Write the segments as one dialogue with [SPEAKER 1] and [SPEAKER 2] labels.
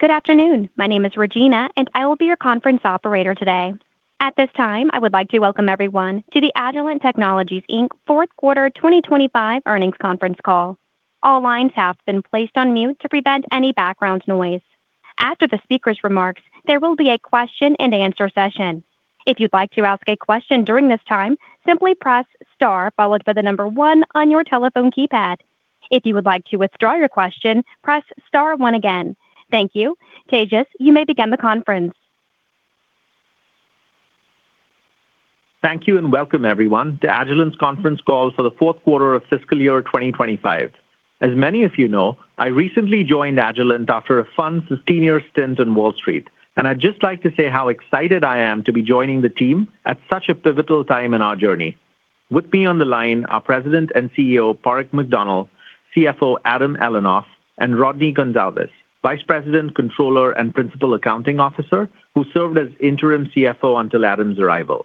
[SPEAKER 1] Good afternoon. My name is Regina, and I will be your conference operator today. At this time, I would like to welcome everyone to the Agilent Technologies Inc Fourth Quarter 2025 Earnings Conference Call. All lines have been placed on mute to prevent any background noise. After the speaker's remarks, there will be a question-and-answer session. If you'd like to ask a question during this time, simply press star followed by the number one on your telephone keypad. If you would like to withdraw your question, press star one again. Thank you. Tejas, you may begin the conference.
[SPEAKER 2] Thank you and welcome, everyone, to Agilent's conference call for the fourth quarter of fiscal year 2025. As many of you know, I recently joined Agilent after a fun 15-year stint on Wall Street, and I'd just like to say how excited I am to be joining the team at such a pivotal time in our journey. With me on the line are President and CEO, Padraig McDonnell, CFO, Adam Elinoff, and Rodney Gonsalves, Vice President, Controller, and Principal Accounting Officer, who served as interim CFO until Adam's arrival.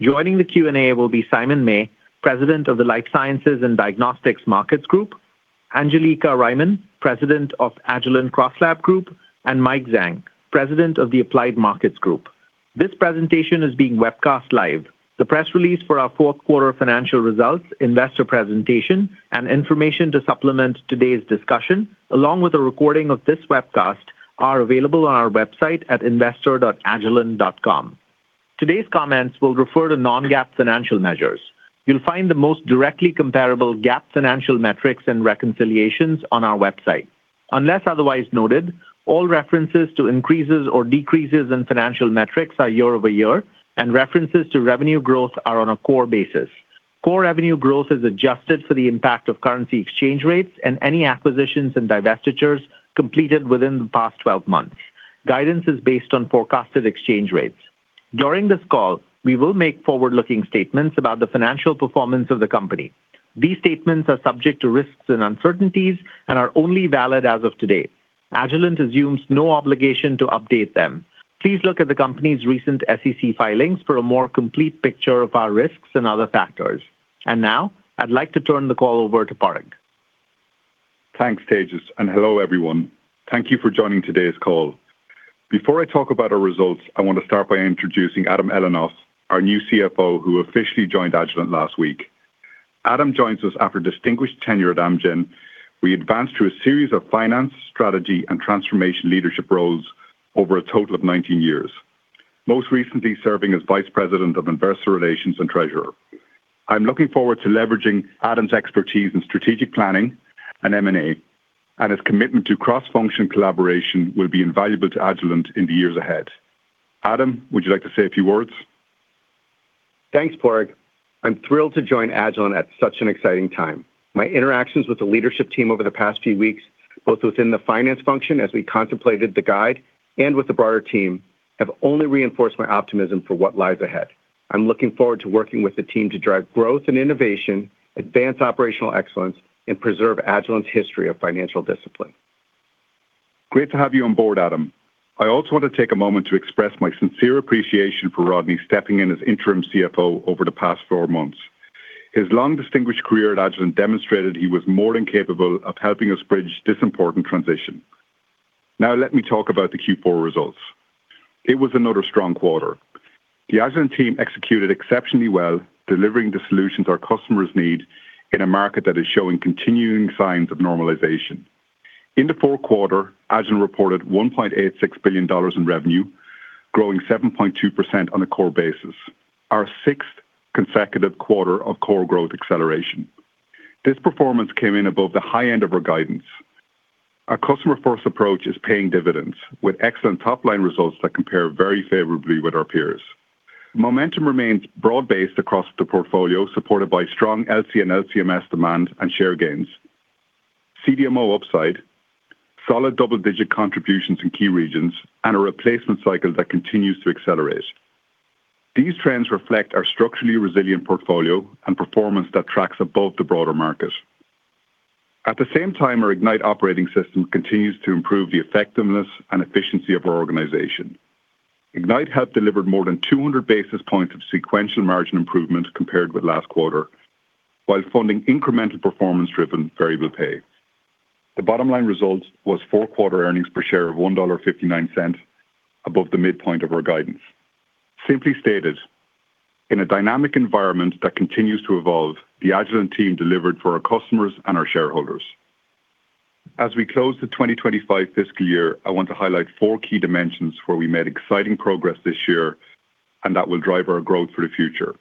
[SPEAKER 2] Joining the Q&A will be Simon May, President of the Life Sciences and Diagnostics Markets Group; Angelica Riemann, President of Agilent CrossLab Group; and Mike Zhang, President of the Applied Markets Group. This presentation is being webcast live. The press release for our fourth quarter financial results, investor presentation, and information to supplement today's discussion, along with a recording of this webcast, are available on our website at investor.agilent.com. Today's comments will refer to non-GAAP financial measures. You'll find the most directly comparable GAAP financial metrics and reconciliations on our website. Unless otherwise noted, all references to increases or decreases in financial metrics are year-over-year, and references to revenue growth are on a core basis. Core revenue growth is adjusted for the impact of currency exchange rates and any acquisitions and divestitures completed within the past 12 months. Guidance is based on forecasted exchange rates. During this call, we will make forward-looking statements about the financial performance of the company. These statements are subject to risks and uncertainties and are only valid as of today. Agilent assumes no obligation to update them. Please look at the company's recent SEC filings for a more complete picture of our risks and other factors. I'd like to turn the call over to Padraig.
[SPEAKER 3] Thanks, Tejas, and hello, everyone. Thank you for joining today's call. Before I talk about our results, I want to start by introducing Adam Elinoff, our new CFO, who officially joined Agilent last week. Adam joins us after a distinguished tenure at Amgen. He advanced through a series of finance, strategy, and transformation leadership roles over a total of 19 years, most recently serving as Vice President of Investor Relations and Treasurer. I'm looking forward to leveraging Adam's expertise in strategic planning and M&A, and his commitment to cross-function collaboration will be invaluable to Agilent in the years ahead. Adam, would you like to say a few words?
[SPEAKER 4] Thanks, Padraig. I'm thrilled to join Agilent at such an exciting time. My interactions with the leadership team over the past few weeks, both within the finance function as we contemplated the guide and with the broader team, have only reinforced my optimism for what lies ahead. I'm looking forward to working with the team to drive growth and innovation, advance operational excellence, and preserve Agilent's history of financial discipline.
[SPEAKER 3] Great to have you on board, Adam. I also want to take a moment to express my sincere appreciation for Rodney stepping in as interim CFO over the past four months. His long, distinguished career at Agilent demonstrated he was more than capable of helping us bridge this important transition. Now, let me talk about the Q4 results. It was another strong quarter. The Agilent team executed exceptionally well, delivering the solutions our customers need in a market that is showing continuing signs of normalization. In the fourth quarter, Agilent reported $1.86 billion in revenue, growing 7.2% on a core basis, our sixth consecutive quarter of core growth acceleration. This performance came in above the high end of our guidance. Our customer-first approach is paying dividends, with excellent top-line results that compare very favorably with our peers. Momentum remains broad-based across the portfolio, supported by strong LC and LCMS demand and share gains, CDMO upside, solid double-digit contributions in key regions, and a replacement cycle that continues to accelerate. These trends reflect our structurally resilient portfolio and performance that tracks above the broader market. At the same time, our Ignite Operating System continues to improve the effectiveness and efficiency of our organization. Ignite helped deliver more than 200 basis points of sequential margin improvement compared with last quarter, while funding incremental performance-driven variable pay. The bottom-line result was four-quarter earnings per share of $1.59, above the midpoint of our guidance. Simply stated, in a dynamic environment that continues to evolve, the Agilent team delivered for our customers and our shareholders. As we close the 2025 fiscal year, I want to highlight four key dimensions where we made exciting progress this year and that will drive our growth for the future.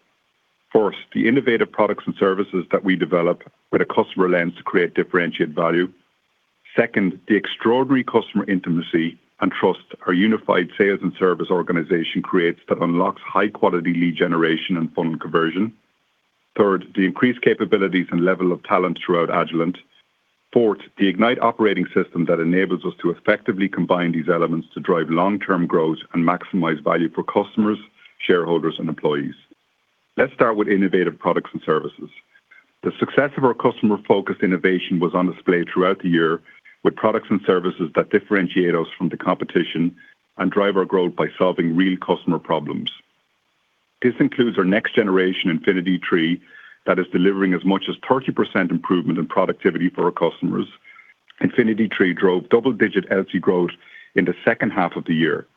[SPEAKER 3] First, the innovative products and services that we develop with a customer lens to create differentiated value. Second, the extraordinary customer intimacy and trust our unified sales and service organization creates that unlocks high-quality lead generation and fund conversion. Third, the increased capabilities and level of talent throughout Agilent. Fourth, the Ignite Operating System that enables us to effectively combine these elements to drive long-term growth and maximize value for customers, shareholders, and employees. Let's start with innovative products and services. The success of our customer-focused innovation was on display throughout the year with products and services that differentiate us from the competition and drive our growth by solving real customer problems. This includes our next-generation Infinity III that is delivering as much as 30% improvement in productivity for our customers. Infinity III drove double-digit LC growth in the second half of the year.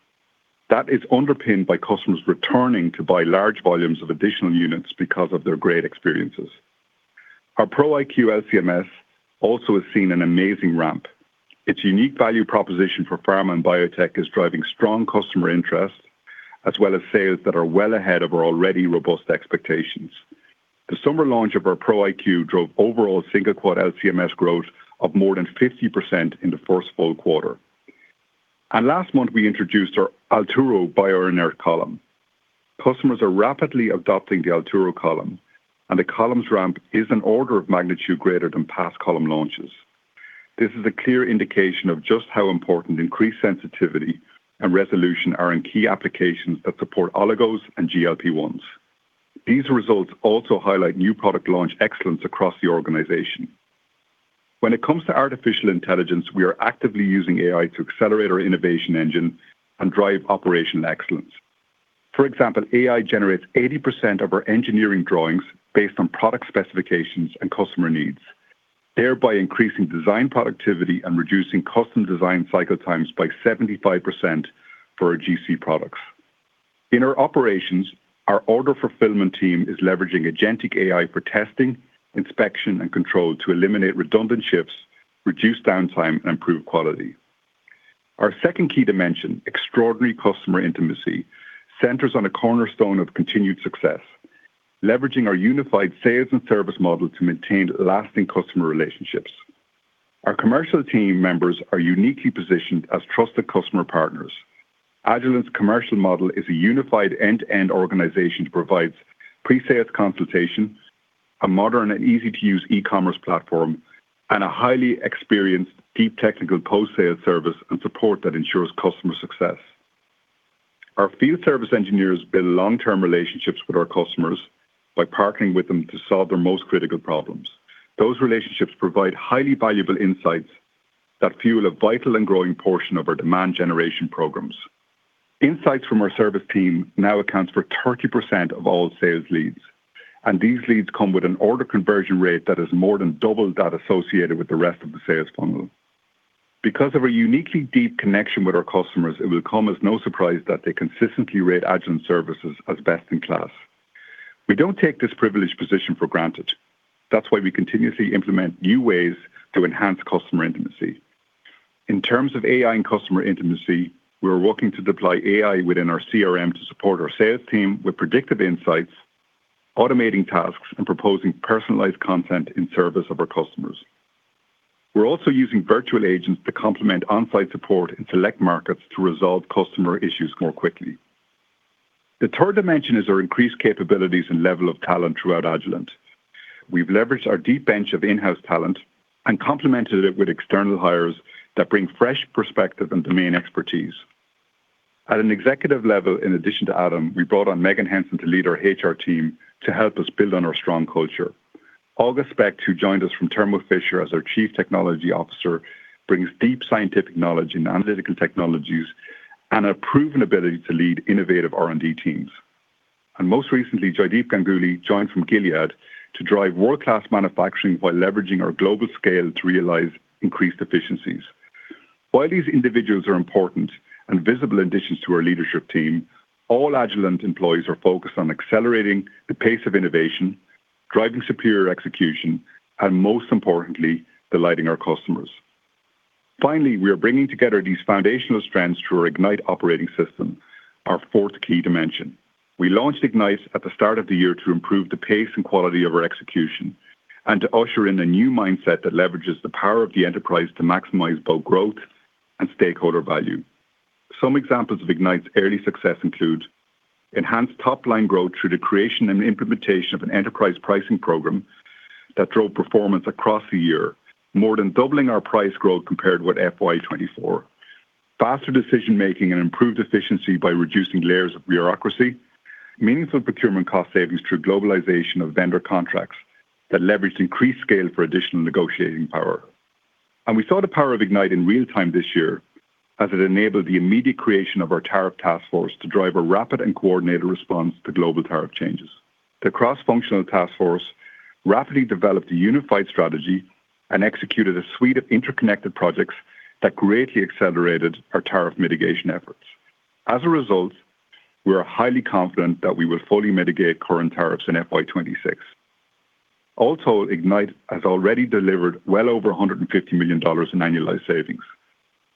[SPEAKER 3] That is underpinned by customers returning to buy large volumes of additional units because of their great experiences. Our Pro iQ LCMS also has seen an amazing ramp. Its unique value proposition for pharma and biotech is driving strong customer interest, as well as sales that are well ahead of our already robust expectations. The summer launch of our Pro iQ drove overall single-quarter LCMS growth of more than 50% in the first full quarter. Last month, we introduced our Altura BioInert column. Customers are rapidly adopting the Altura column, and the column's ramp is an order of magnitude greater than past column launches. This is a clear indication of just how important increased sensitivity and resolution are in key applications that support oligos and GLP-1s. These results also highlight new product launch excellence across the organization. When it comes to artificial intelligence, we are actively using AI to accelerate our innovation engine and drive operational excellence. For example, AI generates 80% of our engineering drawings based on product specifications and customer needs, thereby increasing design productivity and reducing custom design cycle times by 75% for our GC products. In our operations, our order fulfillment team is leveraging agentic AI for testing, inspection, and control to eliminate redundant shifts, reduce downtime, and improve quality. Our second key dimension, extraordinary customer intimacy, centers on a cornerstone of continued success, leveraging our unified sales and service model to maintain lasting customer relationships. Our commercial team members are uniquely positioned as trusted customer partners. Agilent's commercial model is a unified end-to-end organization that provides pre-sales consultation, a modern and easy-to-use e-commerce platform, and a highly experienced, deep technical post-sales service and support that ensures customer success. Our field service engineers build long-term relationships with our customers by partnering with them to solve their most critical problems. Those relationships provide highly valuable insights that fuel a vital and growing portion of our demand generation programs. Insights from our service team now account for 30% of all sales leads, and these leads come with an order conversion rate that is more than double that associated with the rest of the sales funnel. Because of our uniquely deep connection with our customers, it will come as no surprise that they consistently rate Agilent's services as best in class. We don't take this privileged position for granted. That's why we continuously implement new ways to enhance customer intimacy. In terms of AI and customer intimacy, we are working to deploy AI within our CRM to support our sales team with predictive insights, automating tasks, and proposing personalized content in service of our customers. We're also using virtual agents to complement on-site support in select markets to resolve customer issues more quickly. The third dimension is our increased capabilities and level of talent throughout Agilent. We've leveraged our deep bench of in-house talent and complemented it with external hires that bring fresh perspective and domain expertise. At an executive level, in addition to Adam, we brought on Meghan Henson to lead our HR team to help us build on our strong culture. August Specht, who joined us from Thermo Fisher as our Chief Technology Officer, brings deep scientific knowledge in analytical technologies and a proven ability to lead innovative R&D teams. Most recently, Joydeep Ganguly joined from Gilead to drive world-class manufacturing while leveraging our global scale to realize increased efficiencies. While these individuals are important and visible additions to our leadership team, all Agilent employees are focused on accelerating the pace of innovation, driving superior execution, and most importantly, delighting our customers. Finally, we are bringing together these foundational strengths through our Ignite Operating System, our fourth key dimension. We launched Ignite at the start of the year to improve the pace and quality of our execution and to usher in a new mindset that leverages the power of the enterprise to maximize both growth and stakeholder value. Some examples of Ignite's early success include enhanced top-line growth through the creation and implementation of an enterprise pricing program that drove performance across the year, more than doubling our price growth compared to what FY24, faster decision-making and improved efficiency by reducing layers of bureaucracy, meaningful procurement cost savings through globalization of vendor contracts that leveraged increased scale for additional negotiating power. We saw the power of Ignite in real time this year as it enabled the immediate creation of our tariff task force to drive a rapid and coordinated response to global tariff changes. The cross-functional task force rapidly developed a unified strategy and executed a suite of interconnected projects that greatly accelerated our tariff mitigation efforts. As a result, we are highly confident that we will fully mitigate current tariffs in FY26. All told, Ignite has already delivered well over $150 million in annualized savings.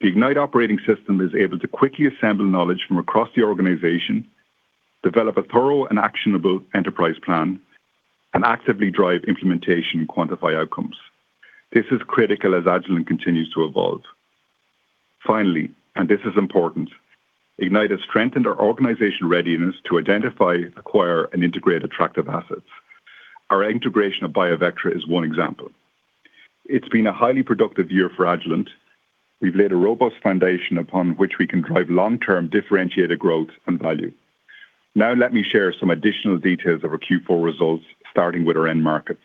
[SPEAKER 3] The Ignite Operating System is able to quickly assemble knowledge from across the organization, develop a thorough and actionable enterprise plan, and actively drive implementation and quantify outcomes. This is critical as Agilent continues to evolve. Finally, and this is important, Ignite has strengthened our organization readiness to identify, acquire, and integrate attractive assets. Our integration of BIOVECTRA is one example. It's been a highly productive year for Agilent. We've laid a robust foundation upon which we can drive long-term differentiated growth and value. Now, let me share some additional details of our Q4 results, starting with our end markets.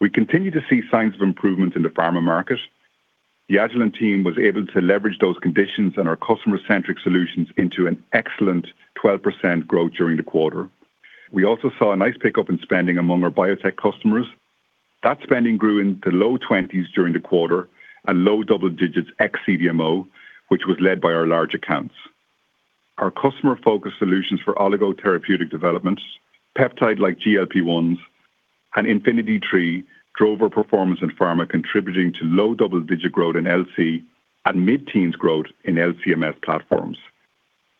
[SPEAKER 3] We continue to see signs of improvement in the pharma market. The Agilent team was able to leverage those conditions and our customer-centric solutions into an excellent 12% growth during the quarter. We also saw a nice pickup in spending among our biotech customers. That spending grew in the low 20s during the quarter and low double digits ex-CDMO, which was led by our large accounts. Our customer-focused solutions for oligotherapeutic developments, peptide-like GLP-1s, and Infinity III drove our performance in pharma, contributing to low double-digit growth in LC and mid-teens growth in LCMS platforms.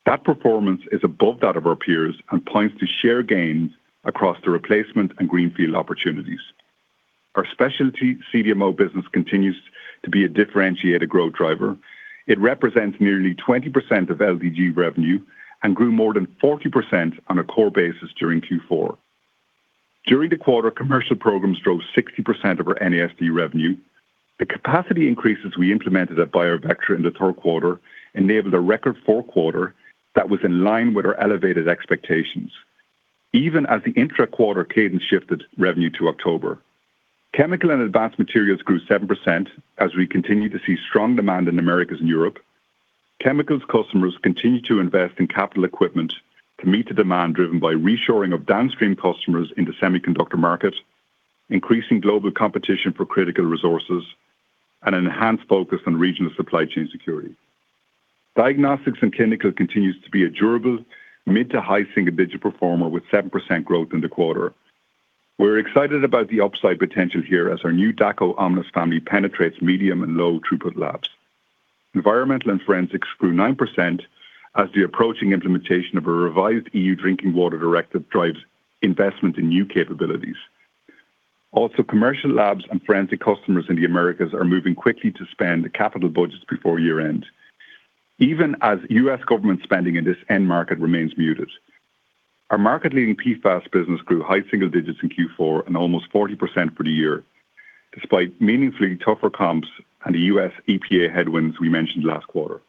[SPEAKER 3] That performance is above that of our peers and points to share gains across the replacement and greenfield opportunities. Our specialty CDMO business continues to be a differentiated growth driver. It represents nearly 20% of LDG revenue and grew more than 40% on a core basis during Q4. During the quarter, commercial programs drove 60% of our NASD revenue. The capacity increases we implemented at BIOVECTRA in the third quarter enabled a record fourth quarter that was in line with our elevated expectations, even as the intra-quarter cadence shifted revenue to October. Chemical and advanced materials grew 7% as we continue to see strong demand in the Americas and Europe. Chemicals customers continue to invest in capital equipment to meet the demand driven by reshoring of downstream customers in the semiconductor market, increasing global competition for critical resources, and an enhanced focus on regional supply chain security. Diagnostics and clinical continues to be a durable mid-to-high single-digit performer with 7% growth in the quarter. We're excited about the upside potential here as our new Dako Omnis family penetrates medium and low throughput labs. Environmental and forensics grew 9% as the approaching implementation of a revised EU drinking water directive drives investment in new capabilities. Also, commercial labs and forensic customers in the Americas are moving quickly to spend the capital budgets before year-end, even as U.S. government spending in this end market remains muted. Our market-leading PFAS business grew high single digits in Q4 and almost 40% for the year, despite meaningfully tougher comps and the U.S. EPA headwinds we mentioned last quarter.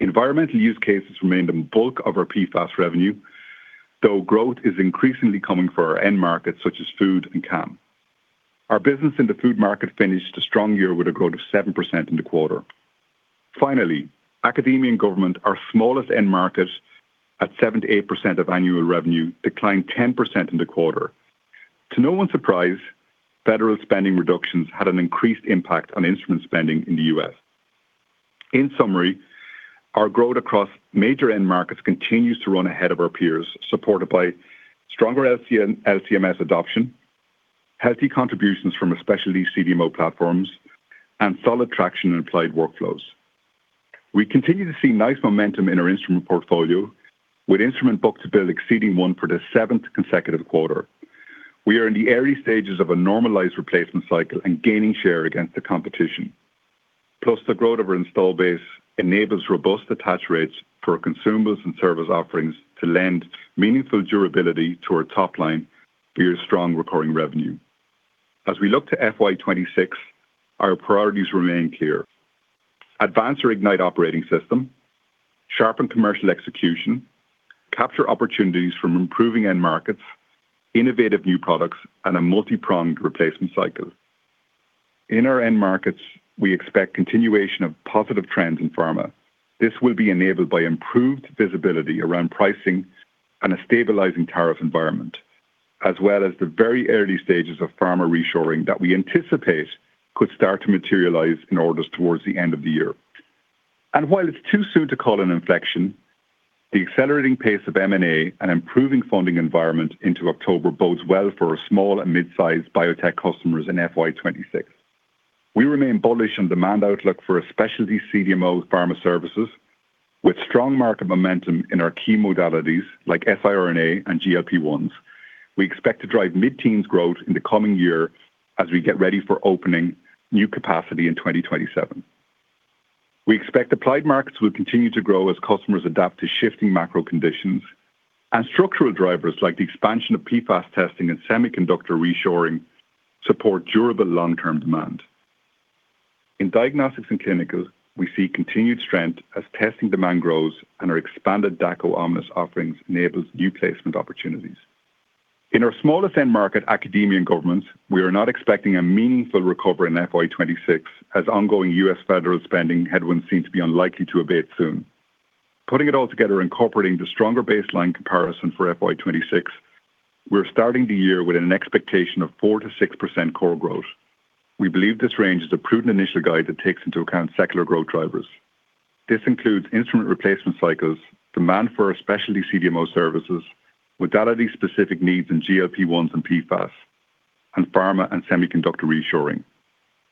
[SPEAKER 3] Environmental use cases remained a bulk of our PFAS revenue, though growth is increasingly coming from our end markets such as food and CAM. Our business in the food market finished a strong year with a growth of 7% in the quarter. Finally, academia and government, our smallest end market at 7%-8% of annual revenue, declined 10% in the quarter. To no one's surprise, federal spending reductions had an increased impact on instrument spending in the U.S. In summary, our growth across major end markets continues to run ahead of our peers, supported by stronger LCMS adoption, healthy contributions from specialty CDMO platforms, and solid traction in applied workflows. We continue to see nice momentum in our instrument portfolio, with instrument book to bill exceeding one for the seventh consecutive quarter. We are in the early stages of a normalized replacement cycle and gaining share against the competition. Plus, the growth of our install base enables robust attach rates for consumables and service offerings to lend meaningful durability to our top line via strong recurring revenue. As we look to FY 2026, our priorities remain clear: advance our Ignite operating system, sharpen commercial execution, capture opportunities from improving end markets, innovative new products, and a multi-pronged replacement cycle. In our end markets, we expect continuation of positive trends in pharma. This will be enabled by improved visibility around pricing and a stabilizing tariff environment, as well as the very early stages of pharma reshoring that we anticipate could start to materialize in orders towards the end of the year. While it's too soon to call an inflection, the accelerating pace of M&A and improving funding environment into October bodes well for our small and mid-sized biotech customers in FY26. We remain bullish on demand outlook for our specialty CDMO pharma services. With strong market momentum in our key modalities like siRNA and GLP-1s, we expect to drive mid-teens growth in the coming year as we get ready for opening new capacity in 2027. We expect applied markets will continue to grow as customers adapt to shifting macro conditions, and structural drivers like the expansion of PFAS testing and semiconductor reshoring support durable long-term demand. In diagnostics and clinical, we see continued strength as testing demand grows and our expanded Dako Omnis offerings enable new placement opportunities. In our smallest end market, academia and governments, we are not expecting a meaningful recovery in FY2026 as ongoing U.S. federal spending headwinds seem to be unlikely to abate soon. Putting it all together and incorporating the stronger baseline comparison for FY2026, we're starting the year with an expectation of 4%-6% core growth. We believe this range is a prudent initial guide that takes into account secular growth drivers. This includes instrument replacement cycles, demand for our specialty CDMO services, modality-specific needs in GLP-1s and PFAS, and pharma and semiconductor reshoring.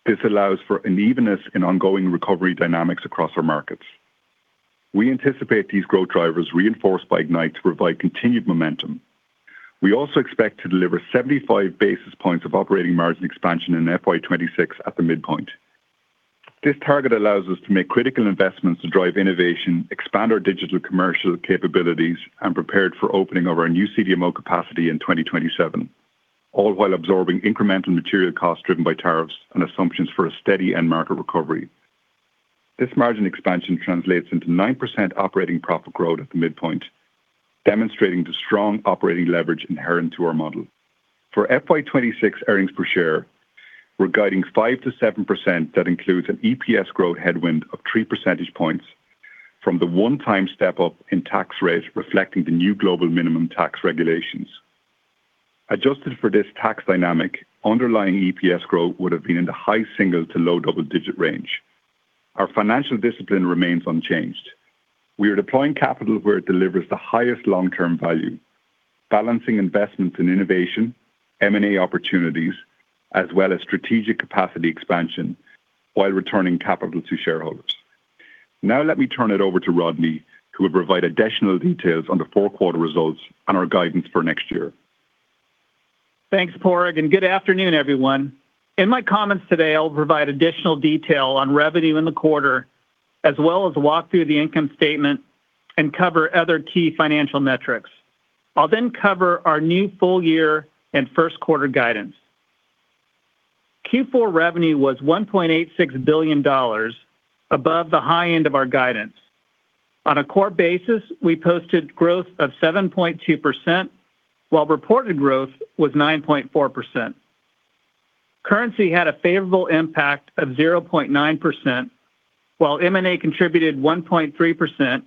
[SPEAKER 3] This allows for an evenness in ongoing recovery dynamics across our markets. We anticipate these growth drivers, reinforced by Ignite, to provide continued momentum. We also expect to deliver 75 basis points of operating margin expansion in FY2026 at the midpoint. This target allows us to make critical investments to drive innovation, expand our digital commercial capabilities, and prepare for opening of our new CDMO capacity in 2027, all while absorbing incremental material costs driven by tariffs and assumptions for a steady end market recovery. This margin expansion translates into 9% operating profit growth at the midpoint, demonstrating the strong operating leverage inherent to our model. For FY26 earnings per share, we're guiding 5%-7% that includes an EPS growth headwind of 3 percentage points from the one-time step-up in tax rate, reflecting the new global minimum tax regulations. Adjusted for this tax dynamic, underlying EPS growth would have been in the high single to low double-digit range. Our financial discipline remains unchanged. We are deploying capital where it delivers the highest long-term value, balancing investments in innovation, M&A opportunities, as well as strategic capacity expansion while returning capital to shareholders. Now, let me turn it over to Rodney, who will provide additional details on the fourth quarter results and our guidance for next year.
[SPEAKER 5] Thanks, Padraig. And good afternoon, everyone. In my comments today, I'll provide additional detail on revenue in the quarter, as well as walk through the income statement and cover other key financial metrics. I'll then cover our new full-year and first-quarter guidance. Q4 revenue was $1.86 billion above the high end of our guidance. On a core basis, we posted growth of 7.2%, while reported growth was 9.4%. Currency had a favorable impact of 0.9%, while M&A contributed 1.3%.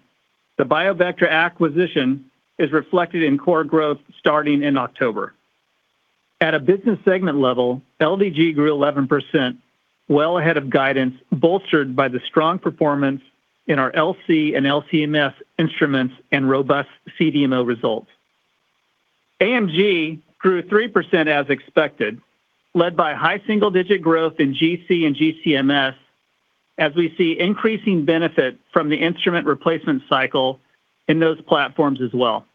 [SPEAKER 5] The BIOVECTRA acquisition is reflected in core growth starting in October. At a business segment level, LDG grew 11%, well ahead of guidance, bolstered by the strong performance in our LC and LCMS instruments and robust CDMO results. AMG grew 3% as expected, led by high single-digit growth in GC and GCMS, as we see increasing benefit from the instrument replacement cycle in those platforms as well.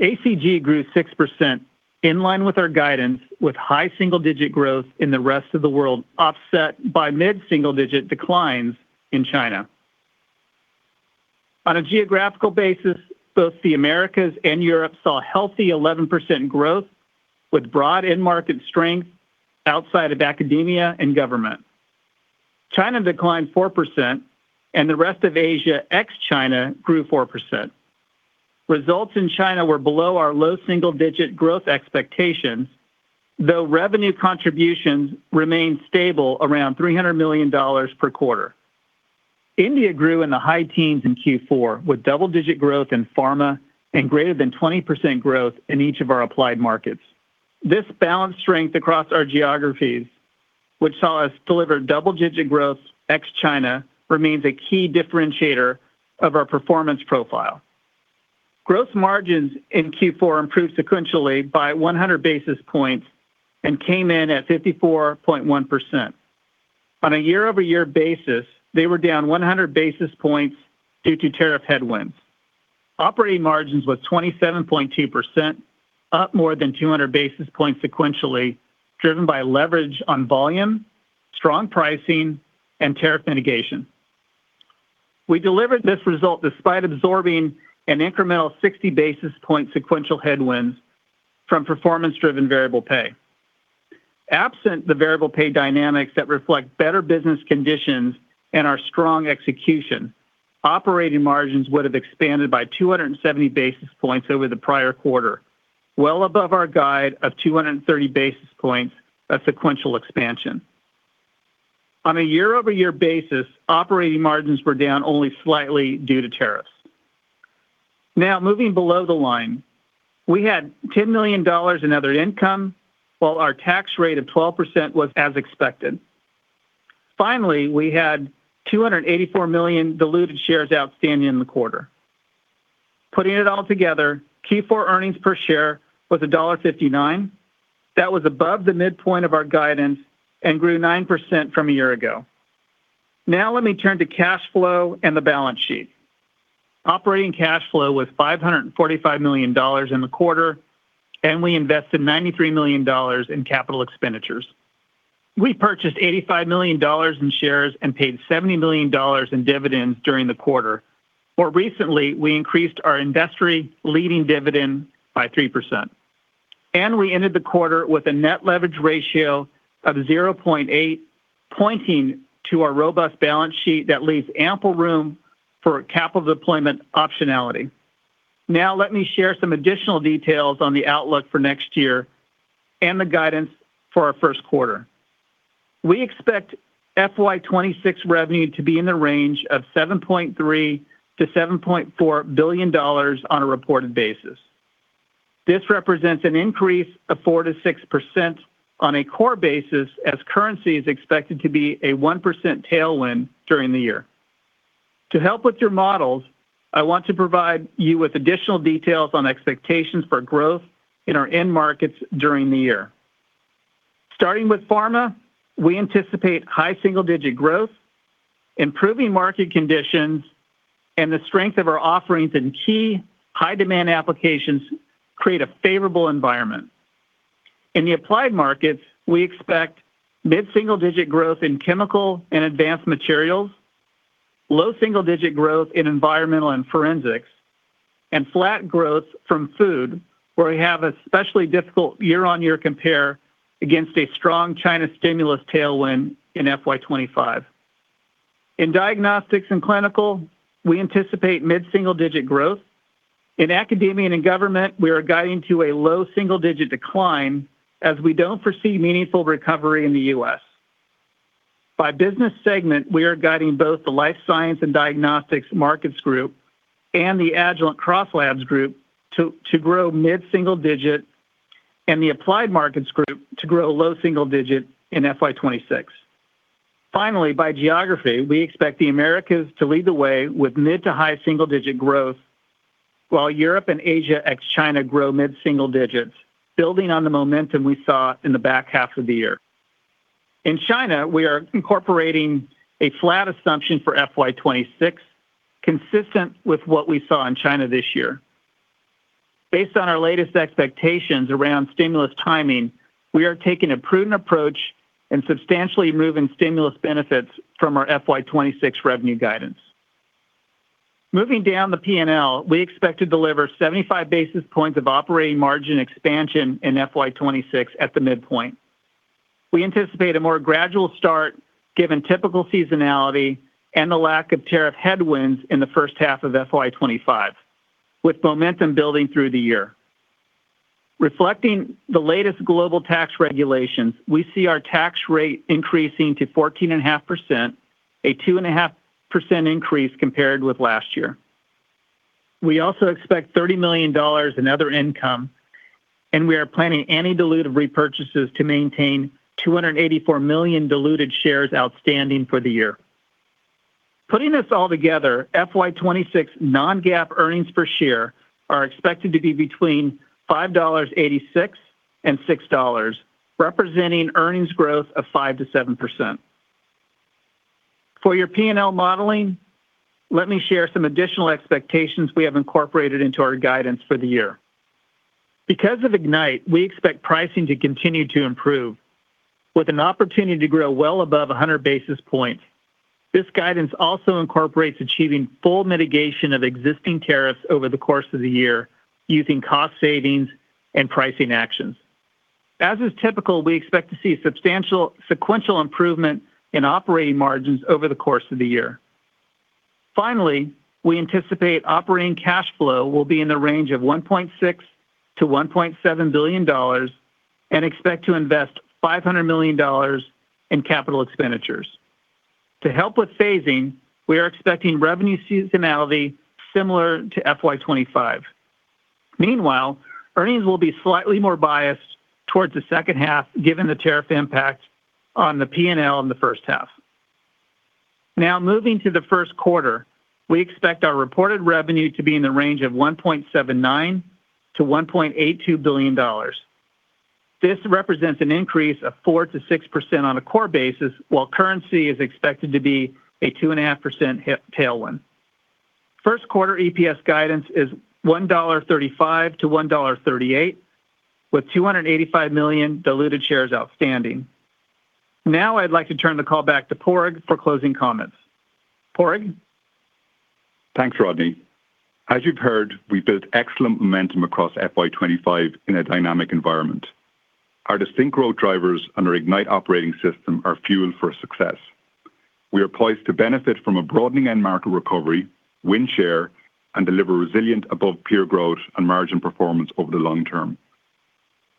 [SPEAKER 5] ACG grew 6% in line with our guidance, with high single-digit growth in the rest of the world offset by mid-single-digit declines in China. On a geographical basis, both the Americas and Europe saw healthy 11% growth with broad end market strength outside of academia and government. China declined 4%, and the rest of Asia ex-China grew 4%. Results in China were below our low single-digit growth expectations, though revenue contributions remained stable around $300 million per quarter. India grew in the high teens in Q4, with double-digit growth in pharma and greater than 20% growth in each of our applied markets. This balanced strength across our geographies, which saw us deliver double-digit growth ex-China, remains a key differentiator of our performance profile. Gross margins in Q4 improved sequentially by 100 basis points and came in at 54.1%. On a year-over-year basis, they were down 100 basis points due to tariff headwinds. Operating margins were 27.2%, up more than 200 basis points sequentially, driven by leverage on volume, strong pricing, and tariff mitigation. We delivered this result despite absorbing an incremental 60 basis point sequential headwinds from performance-driven variable pay. Absent the variable pay dynamics that reflect better business conditions and our strong execution, operating margins would have expanded by 270 basis points over the prior quarter, well above our guide of 230 basis points of sequential expansion. On a year-over-year basis, operating margins were down only slightly due to tariffs. Now, moving below the line, we had $10 million in other income, while our tax rate of 12% was as expected. Finally, we had 284 million diluted shares outstanding in the quarter. Putting it all together, Q4 earnings per share was $1.59. That was above the midpoint of our guidance and grew 9% from a year ago. Now, let me turn to cash flow and the balance sheet. Operating cash flow was $545 million in the quarter, and we invested $93 million in capital expenditures. We purchased $85 million in shares and paid $70 million in dividends during the quarter. More recently, we increased our industry leading dividend by 3%. We ended the quarter with a net leverage ratio of 0.8, pointing to our robust balance sheet that leaves ample room for capital deployment optionality. Now, let me share some additional details on the outlook for next year and the guidance for our first quarter. We expect FY 2026 revenue to be in the range of $7.3 billion-$7.4 billion on a reported basis. This represents an increase of 4%-6% on a core basis, as currency is expected to be a 1% tailwind during the year. To help with your models, I want to provide you with additional details on expectations for growth in our end markets during the year. Starting with pharma, we anticipate high single-digit growth, improving market conditions, and the strength of our offerings in key high-demand applications create a favorable environment. In the applied markets, we expect mid-single-digit growth in chemical and advanced materials, low single-digit growth in environmental and forensics, and flat growth from food, where we have a especially difficult year-on-year compare against a strong China stimulus tailwind in FY 2025. In diagnostics and clinical, we anticipate mid-single-digit growth. In academia and government, we are guiding to a low single-digit decline as we do not foresee meaningful recovery in the U.S. By business segment, we are guiding both the Life Sciences and Diagnostics Markets Group and the Agilent CrossLab Group to grow mid-single digit, and the Applied Markets Group to grow low single digit in FY 2026. Finally, by geography, we expect the Americas to lead the way with mid to high single-digit growth, while Europe and Asia ex-China grow mid-single digits, building on the momentum we saw in the back half of the year. In China, we are incorporating a flat assumption for FY26, consistent with what we saw in China this year. Based on our latest expectations around stimulus timing, we are taking a prudent approach and substantially moving stimulus benefits from our FY26 revenue guidance. Moving down the P&L, we expect to deliver 75 basis points of operating margin expansion in FY26 at the midpoint. We anticipate a more gradual start given typical seasonality and the lack of tariff headwinds in the first half of FY25, with momentum building through the year. Reflecting the latest global tax regulations, we see our tax rate increasing to 14.5%, a 2.5% increase compared with last year. We also expect $30 million in other income, and we are planning any diluted repurchases to maintain 284 million diluted shares outstanding for the year. Putting this all together, FY26 non-GAAP earnings per share are expected to be between $5.86 and $6, representing earnings growth of 5%-7%. For your P&L modeling, let me share some additional expectations we have incorporated into our guidance for the year. Because of Ignite, we expect pricing to continue to improve, with an opportunity to grow well above 100 basis points. This guidance also incorporates achieving full mitigation of existing tariffs over the course of the year, using cost savings and pricing actions. As is typical, we expect to see substantial sequential improvement in operating margins over the course of the year. Finally, we anticipate operating cash flow will be in the range of $1.6 billion-$1.7 billion and expect to invest $500 million in capital expenditures. To help with phasing, we are expecting revenue seasonality similar to FY25. Meanwhile, earnings will be slightly more biased towards the second half, given the tariff impact on the P&L in the first half. Now, moving to the first quarter, we expect our reported revenue to be in the range of $1.79-$1.82 billion. This represents an increase of 4%-6% on a core basis, while currency is expected to be a 2.5% tailwind. First quarter EPS guidance is $1.35-$1.38, with 285 million diluted shares outstanding. Now, I'd like to turn the call back to Padraig for closing comments. Padraig?
[SPEAKER 3] Thanks, Rodney. As you've heard, we've built excellent momentum across FY2025 in a dynamic environment. Our distinct growth drivers and our Ignite Operating System are fuel for success. We are poised to benefit from a broadening end market recovery, win share, and deliver resilient above-peer growth and margin performance over the long term.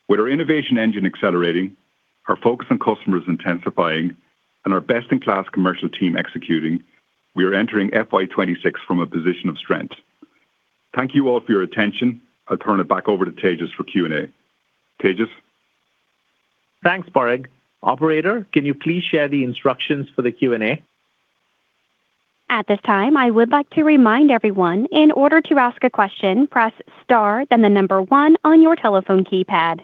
[SPEAKER 3] With our innovation engine accelerating, our focus on customers intensifying, and our best-in-class commercial team executing, we are entering FY26 from a position of strength. Thank you all for your attention. I'll turn it back over to Tejas for Q&A. Tejas?
[SPEAKER 2] Thanks, Padraig. Operator, can you please share the instructions for the Q&A?
[SPEAKER 1] At this time, I would like to remind everyone, in order to ask a question, press star, then the number one on your telephone keypad.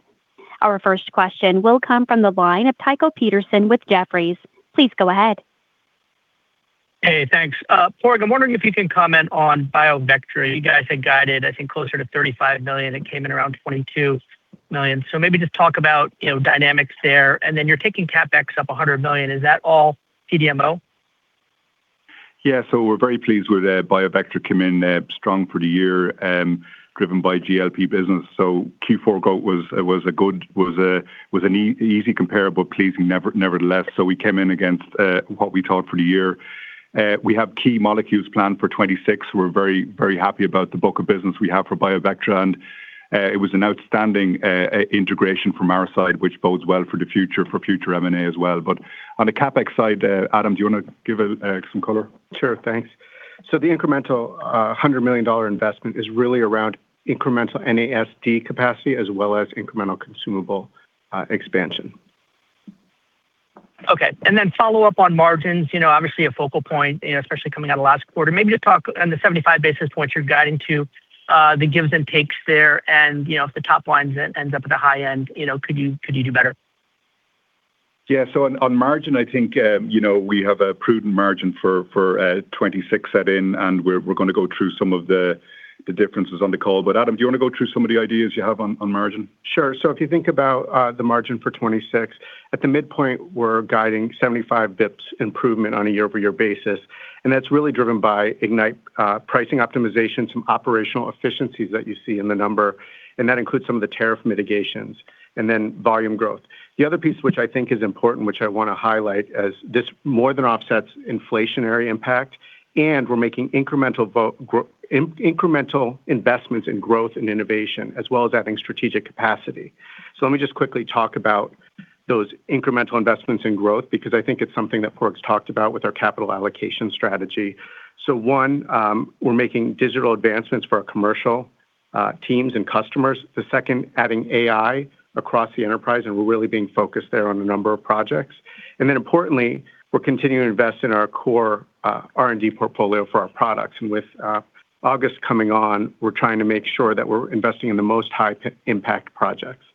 [SPEAKER 1] Our first question will come from the line of Tycho Peterson with Jefferies. Please go ahead.
[SPEAKER 6] Hey, thanks. Padraig, I'm wondering if you can comment on BIOVECTRA. You guys had guided, I think, closer to $35 million. It came in around $22 million. Maybe just talk about dynamics there. And then you're taking CapEx up $100 million. Is that all CDMO?
[SPEAKER 3] Yeah. We are very pleased with BIOVECTRA. Came in strong for the year, driven by GLP business. Q4 GOAT was a good, was an easy, comparable, pleasing, nevertheless. We came in against what we thought for the year. We have key molecules planned for 2026. We're very, very happy about the book of business we have for BIOVECTRA. It was an outstanding integration from our side, which bodes well for the future, for future M&A as well. On the CapEx side, Adam, do you want to give some color?
[SPEAKER 4] Sure. Thanks. The incremental $100 million investment is really around incremental NASD capacity as well as incremental consumable expansion.
[SPEAKER 6] Okay. Then follow up on margins, obviously a focal point, especially coming out of last quarter. Maybe just talk on the 75 basis points you're guiding to, the gives and takes there. If the top line ends up at the high end, could you do better?
[SPEAKER 3] Yeah. On margin, I think we have a prudent margin for 2026 set in, and we're going to go through some of the differences on the call. Adam, do you want to go through some of the ideas you have on margin?
[SPEAKER 4] Sure. If you think about the margin for 2026, at the midpoint, we're guiding 75 basis points improvement on a year-over-year basis. That's really driven by Ignite pricing optimization, some operational efficiencies that you see in the number. That includes some of the tariff mitigations and then volume growth. The other piece, which I think is important, which I want to highlight, is this more than offsets inflationary impact. We're making incremental investments in growth and innovation, as well as adding strategic capacity. Let me just quickly talk about those incremental investments in growth, because I think it's something that Padraig's talked about with our capital allocation strategy. One, we're making digital advancements for our commercial teams and customers. The second, adding AI across the enterprise, and we're really being focused there on a number of projects. Importantly, we're continuing to invest in our core R&D portfolio for our products. With August coming on, we're trying to make sure that we're investing in the most high-impact projects.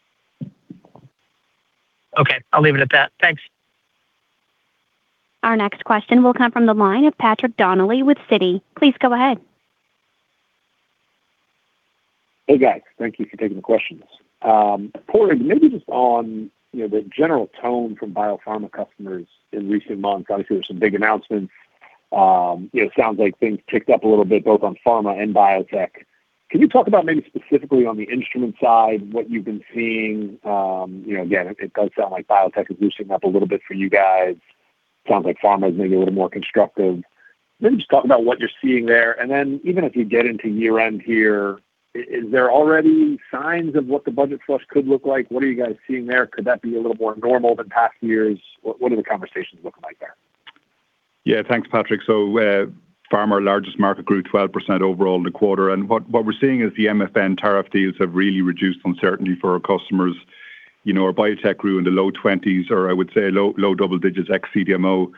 [SPEAKER 6] Okay. I'll leave it at that. Thanks.
[SPEAKER 1] Our next question will come from the line of Padraig Donnelly with Citi. Please go ahead.
[SPEAKER 7] Hey, guys. Thank you for taking the questions. Padraig, maybe just on the general tone from biopharma customers in recent months. Obviously, there were some big announcements. It sounds like things ticked up a little bit, both on pharma and biotech. Can you talk about maybe specifically on the instrument side, what you've been seeing? Again, it does sound like biotech is loosening up a little bit for you guys. It sounds like pharma is maybe a little more constructive. Maybe just talk about what you're seeing there. Even as we get into year-end here, is there already signs of what the budget flush could look like? What are you guys seeing there? Could that be a little more normal than past years? What are the conversations looking like there?
[SPEAKER 3] Yeah. Thanks, Padraig. Pharma, largest market, grew 12% overall in the quarter. What we're seeing is the MFN tariff deals have really reduced uncertainty for our customers. Our biotech grew in the low 20s, or I would say low double digits ex-CDMO.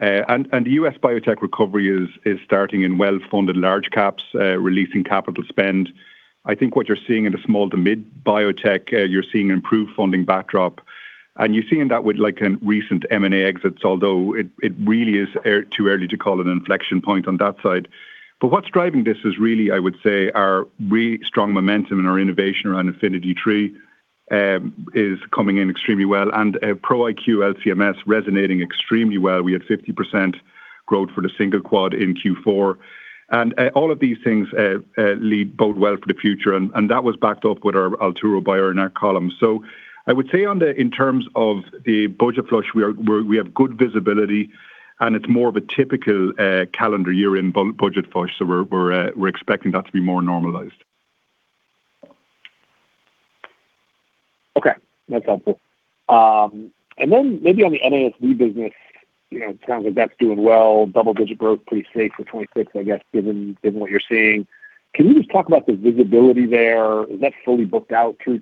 [SPEAKER 3] The U.S. biotech recovery is starting in well-funded large caps, releasing capital spend. I think what you're seeing in the small to mid-biotech, you're seeing improved funding backdrop. You're seeing that with recent M&A exits, although it really is too early to call it an inflection point on that side. What's driving this is really, I would say, our really strong momentum and our innovation around Infinity III is coming in extremely well. Pro iQ LCMS is resonating extremely well. We had 50% growth for the single quad in Q4. All of these things lead both well for the future. That was backed up with our Altura BioInert column. I would say in terms of the budget flush, we have good visibility, and it's more of a typical calendar year-end budget flush. We're expecting that to be more normalized.
[SPEAKER 7] Okay. That's helpful. Maybe on the NASD business, it sounds like that's doing well. Double-digit growth, pretty safe for 2026, I guess, given what you're seeing. Can you just talk about the visibility there? Is that fully booked out through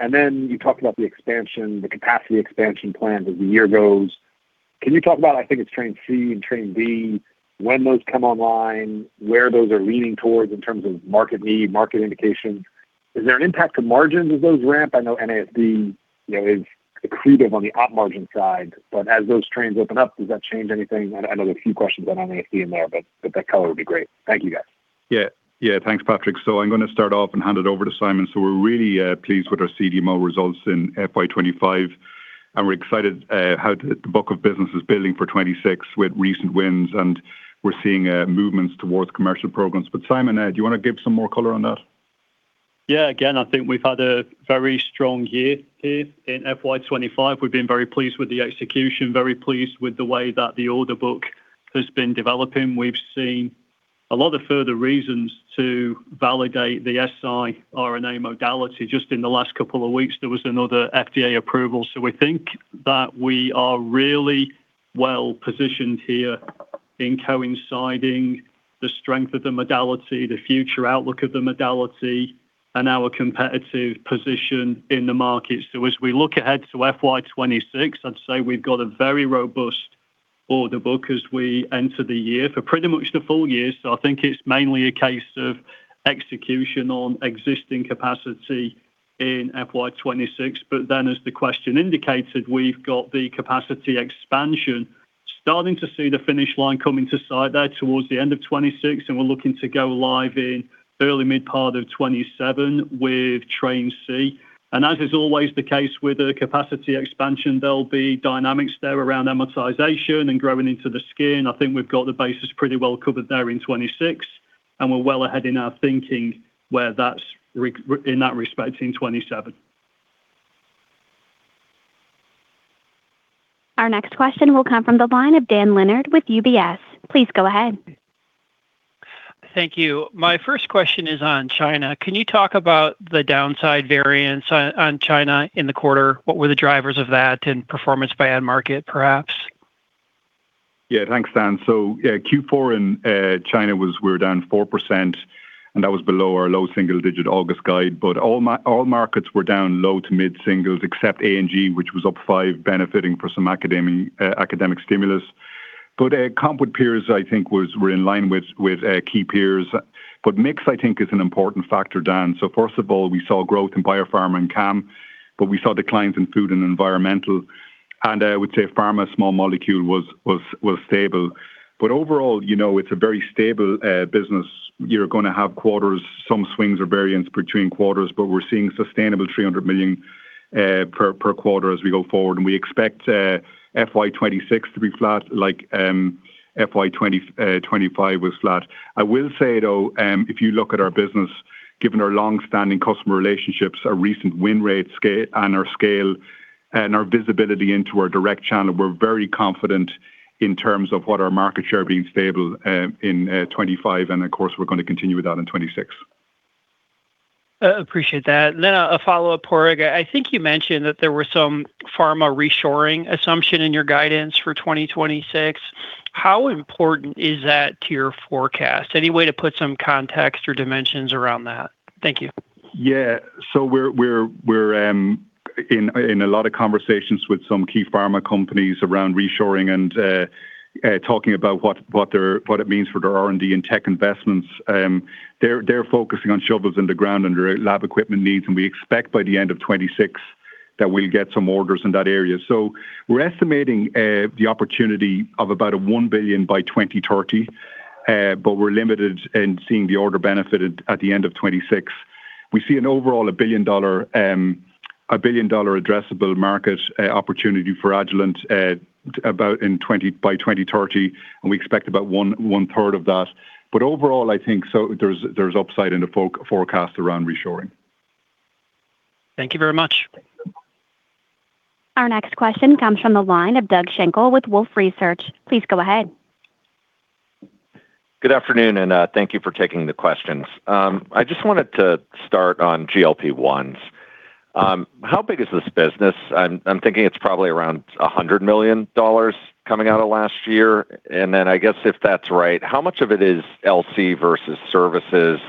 [SPEAKER 7] 2026? You talked about the expansion, the capacity expansion plan as the year goes. Can you talk about, I think it's train C and train D, when those come online, where those are leaning towards in terms of market need, market indication? Is there an impact to margins as those ramp? I know NASD is accretive on the op margin side. As those trains open up, does that change anything? I know there's a few questions about NASD in there, but that color would be great. Thank you, guys. Yeah.
[SPEAKER 3] Thanks, Padraig. I'm going to start off and hand it over to Simon. We're really pleased with our CDMO results in FY2025. We're excited how the book of business is building for 2026 with recent wins. We're seeing movements towards commercial programs. Simon, do you want to give some more color on that?
[SPEAKER 8] Yeah. I think we've had a very strong year here in FY2025. We've been very pleased with the execution, very pleased with the way that the order book has been developing. We've seen a lot of further reasons to validate the siRNA modality. Just in the last couple of weeks, there was another FDA approval. We think that we are really well positioned here in coinciding the strength of the modality, the future outlook of the modality, and our competitive position in the market. As we look ahead to FY2026, I'd say we've got a very robust order book as we enter the year for pretty much the full year. I think it's mainly a case of execution on existing capacity in FY2026. As the question indicated, we've got the capacity expansion starting to see the finish line coming to sight there towards the end of 2026. We're looking to go live in early mid-part of 2027 with train C. As is always the case with the capacity expansion, there'll be dynamics there around amortization and growing into the skin. I think we've got the basis pretty well covered there in 2026. We're well ahead in our thinking in that respect in 2027.
[SPEAKER 1] Our next question will come from the line of Dan Leonard with UBS. Please go ahead.
[SPEAKER 9] Thank you. My first question is on China. Can you talk about the downside variance on China in the quarter? What were the drivers of that and performance by end market, perhaps?
[SPEAKER 3] Yeah. Thanks, Dan. Q4 in China was we were down 4%. That was below our low single-digit August guide. All markets were down low to mid singles, except A&G, which was up 5%, benefiting from some academic stimulus. Comp with peers, I think, were in line with key peers. Mix, I think, is an important factor, Dan. First of all, we saw growth in biopharma and CAM. We saw declines in food and environmental. I would say pharma, small molecule was stable. Overall, it's a very stable business. You're going to have quarters, some swings or variance between quarters. We're seeing sustainable $300 million per quarter as we go forward. We expect FY2026 to be flat, like FY2025 was flat. I will say, though, if you look at our business, given our long-standing customer relationships, our recent win rates, and our scale, and our visibility into our direct channel, we are very confident in terms of our market share being stable in 2025. Of course, we are going to continue with that in 2026.
[SPEAKER 9] Appreciate that. A follow-up, Padraig. I think you mentioned that there was some pharma reshoring assumption in your guidance for 2026. How important is that to your forecast? Any way to put some context or dimensions around that? Thank you.
[SPEAKER 3] Yes. We are in a lot of conversations with some key pharma companies around reshoring and talking about what it means for their R&D and tech investments. They are focusing on shovels in the ground and their lab equipment needs. We expect by the end of 2026 that we'll get some orders in that area. We're estimating the opportunity of about a $1 billion by 2030. We're limited in seeing the order benefit at the end of 2026. We see an overall $1 billion addressable market opportunity for Agilent by 2030. We expect about one-third of that. Overall, I think there's upside in the forecast around reshoring.
[SPEAKER 9] Thank you very much.
[SPEAKER 1] Our next question comes from the line of Doug Schenkel with Wolfe Research. Please go ahead.
[SPEAKER 10] Good afternoon, and thank you for taking the questions. I just wanted to start on GLP-1s. How big is this business? I'm thinking it's probably around $100 million coming out of last year. I guess if that's right, how much of it is LC versus services?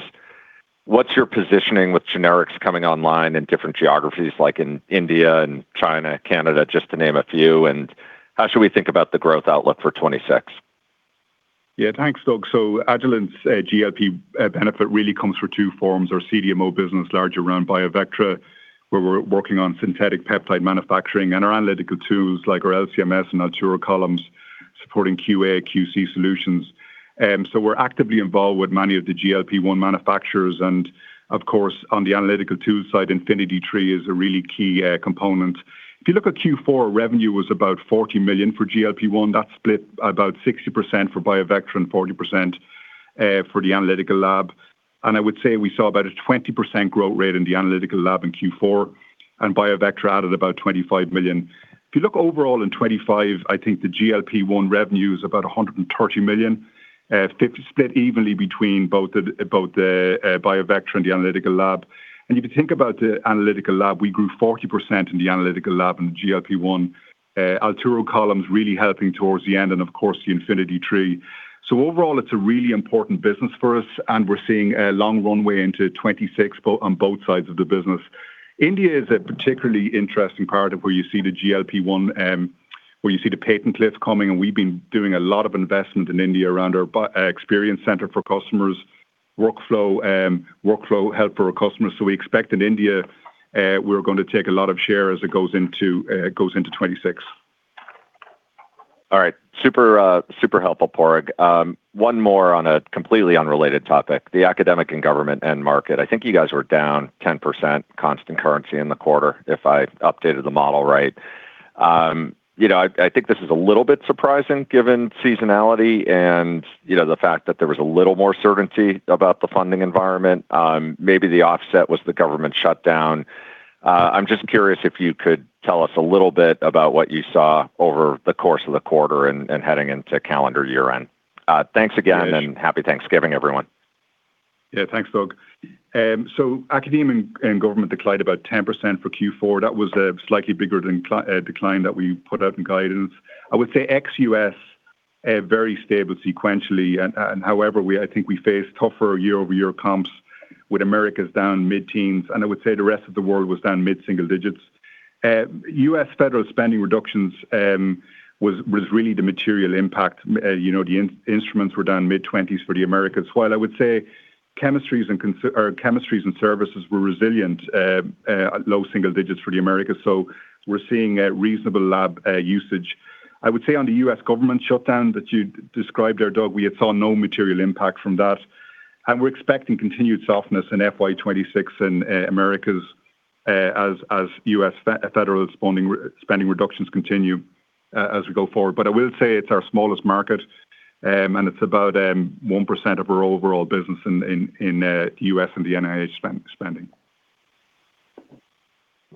[SPEAKER 10] What's your positioning with generics coming online in different geographies, like in India and China, Canada, just to name a few? And how should we think about the growth outlook for 2026?
[SPEAKER 3] Yeah. Thanks, Doug. Agilent's GLP benefit really comes through two forms. Our CDMO business, larger run BIOVECTRA, where we're working on synthetic peptide manufacturing and our analytical tools like our LCMS and Altura columns supporting QA and QC solutions. We're actively involved with many of the GLP-1 manufacturers. Of course, on the analytical tools side, InfinityLab is a really key component. If you look at Q4, revenue was about $40 million for GLP-1. That split about 60% for BIOVECTRA and 40% for the analytical lab. I would say we saw about a 20% growth rate in the analytical lab in Q4. BIOVECTRA added about $25 million. If you look overall in 2025, I think the GLP-1 revenue is about $130 million, split evenly between both the BIOVECTRA and the analytical lab. If you think about the analytical lab, we grew 40% in the analytical lab and the GLP-1. Altura columns really helping towards the end, and of course, the Infinity III. Overall, it's a really important business for us. We're seeing a long runway into 2026 on both sides of the business. India is a particularly interesting part of where you see the GLP-1, where you see the patent lift coming. We've been doing a lot of investment in India around our experience center for customers, workflow help for our customers. We expect in India, we're going to take a lot of share as it goes into 2026.
[SPEAKER 10] All right. Super helpful, Padraig. One more on a completely unrelated topic, the academic and government end market. I think you guys were down 10% constant currency in the quarter, if I updated the model right. I think this is a little bit surprising given seasonality and the fact that there was a little more certainty about the funding environment. Maybe the offset was the government shutdown. I'm just curious if you could tell us a little bit about what you saw over the course of the quarter and heading into calendar year-end. Thanks again, and happy Thanksgiving, everyone.
[SPEAKER 3] Yeah. Thanks, Doug. Academic and government declined about 10% for Q4. That was a slightly bigger decline than we put out in guidance. I would say ex-U.S., very stable sequentially. However, I think we faced tougher year-over-year comps with Americas down mid-teens. I would say the rest of the world was down mid-single digits. U.S. federal spending reductions was really the material impact. The instruments were down mid-20s for the Americas. While I would say chemistries and services were resilient, low single digits for the Americas. We're seeing reasonable lab usage. I would say on the U.S. government shutdown that you described there, Doug, we saw no material impact from that. We're expecting continued softness in FY2026 in Americas as U.S. federal spending reductions continue as we go forward. I will say it's our smallest market. It's about 1% of our overall business in the U.S. and the NIH spending.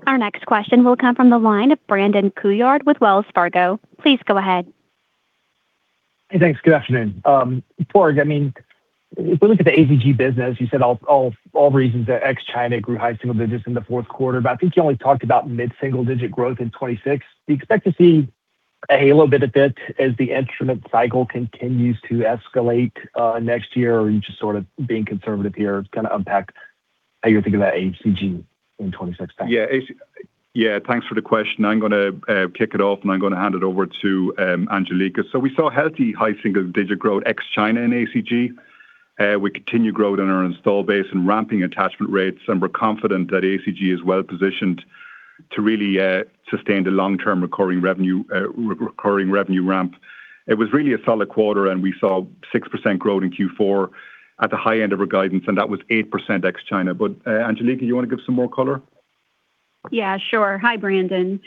[SPEAKER 1] Our next question will come from the line of Brandon Couillard with Wells Fargo. Please go ahead.
[SPEAKER 11] Hey, thanks. Good afternoon. Padraig, I mean, if we look at the ACG business, you said all reasons that ex-China grew high single digits in the fourth quarter. I think you only talked about mid-single digit growth in 2026. Do you expect to see a halo benefit as the instrument cycle continues to escalate next year, or are you just sort of being conservative here? It's going to impact how you're thinking about ACG in 2026?
[SPEAKER 3] Yeah. Yeah. Thanks for the question. I'm going to kick it off, and I'm going to hand it over to Angelica. We saw healthy high single digit growth ex-China in ACG. We continue growth on our install base and ramping attachment rates. We're confident that ACG is well positioned to really sustain the long-term recurring revenue ramp. It was really a solid quarter, and we saw 6% growth in Q4 at the high end of our guidance. That was 8% ex-China. Angelica, you want to give some more color?
[SPEAKER 12] Yeah, sure. Hi, Brandon.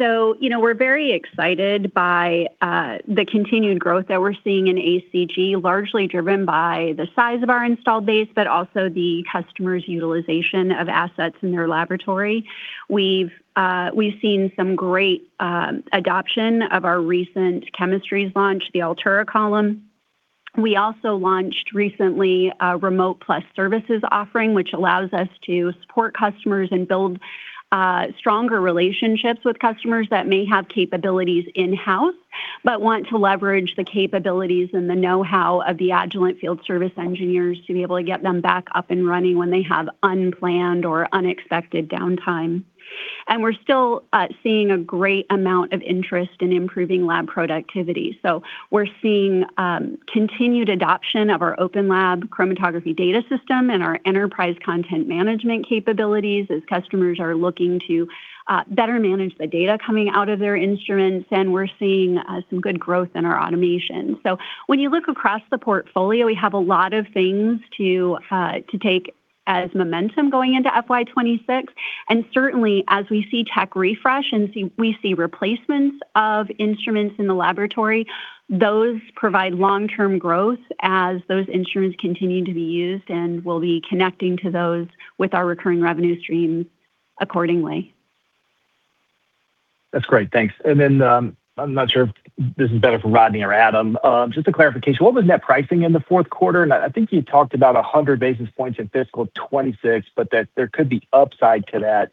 [SPEAKER 12] We're very excited by the continued growth that we're seeing in ACG, largely driven by the size of our install base, but also the customers' utilization of assets in their laboratory. We've seen some great adoption of our recent chemistries launch, the Altura column. We also launched recently a remote plus services offering, which allows us to support customers and build stronger relationships with customers that may have capabilities in-house, but want to leverage the capabilities and the know-how of the Agilent field service engineers to be able to get them back up and running when they have unplanned or unexpected downtime. We are still seeing a great amount of interest in improving lab productivity. We are seeing continued adoption of our OpenLab chromatography data system and our enterprise content management capabilities as customers are looking to better manage the data coming out of their instruments. We are seeing some good growth in our automation. When you look across the portfolio, we have a lot of things to take as momentum going into FY2026. Certainly, as we see tech refresh and we see replacements of instruments in the laboratory, those provide long-term growth as those instruments continue to be used and will be connecting to those with our recurring revenue streams accordingly.
[SPEAKER 13] That's great. Thanks. I am not sure if this is better for Rodney or Adam. Just a clarification. What was net pricing in the fourth quarter? I think you talked about 100 basis points in fiscal 2026, but that there could be upside to that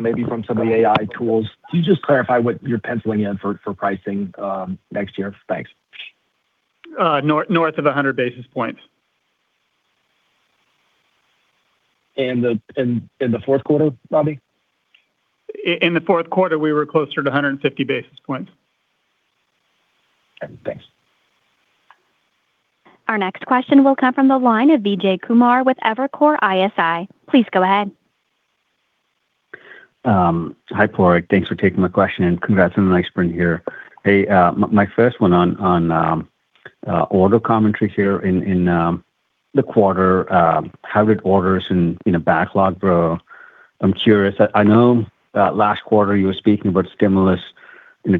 [SPEAKER 13] maybe from some of the AI tools. Can you just clarify what you're penciling in for pricing next year? Thanks.
[SPEAKER 5] North of 100 basis points.
[SPEAKER 11] In the fourth quarter, Rodney?
[SPEAKER 5] In the fourth quarter, we were closer to 150 basis points.
[SPEAKER 1] Thanks. Our next question will come from the line of Vijay Kumar with Evercore ISI. Please go ahead.
[SPEAKER 14] Hi, Padraig. Thanks for taking my question. Congrats on the nice spring here. Hey, my first one on order commentary here in the quarter, how did orders in a backlog grow? I'm curious. I know last quarter you were speaking about stimulus,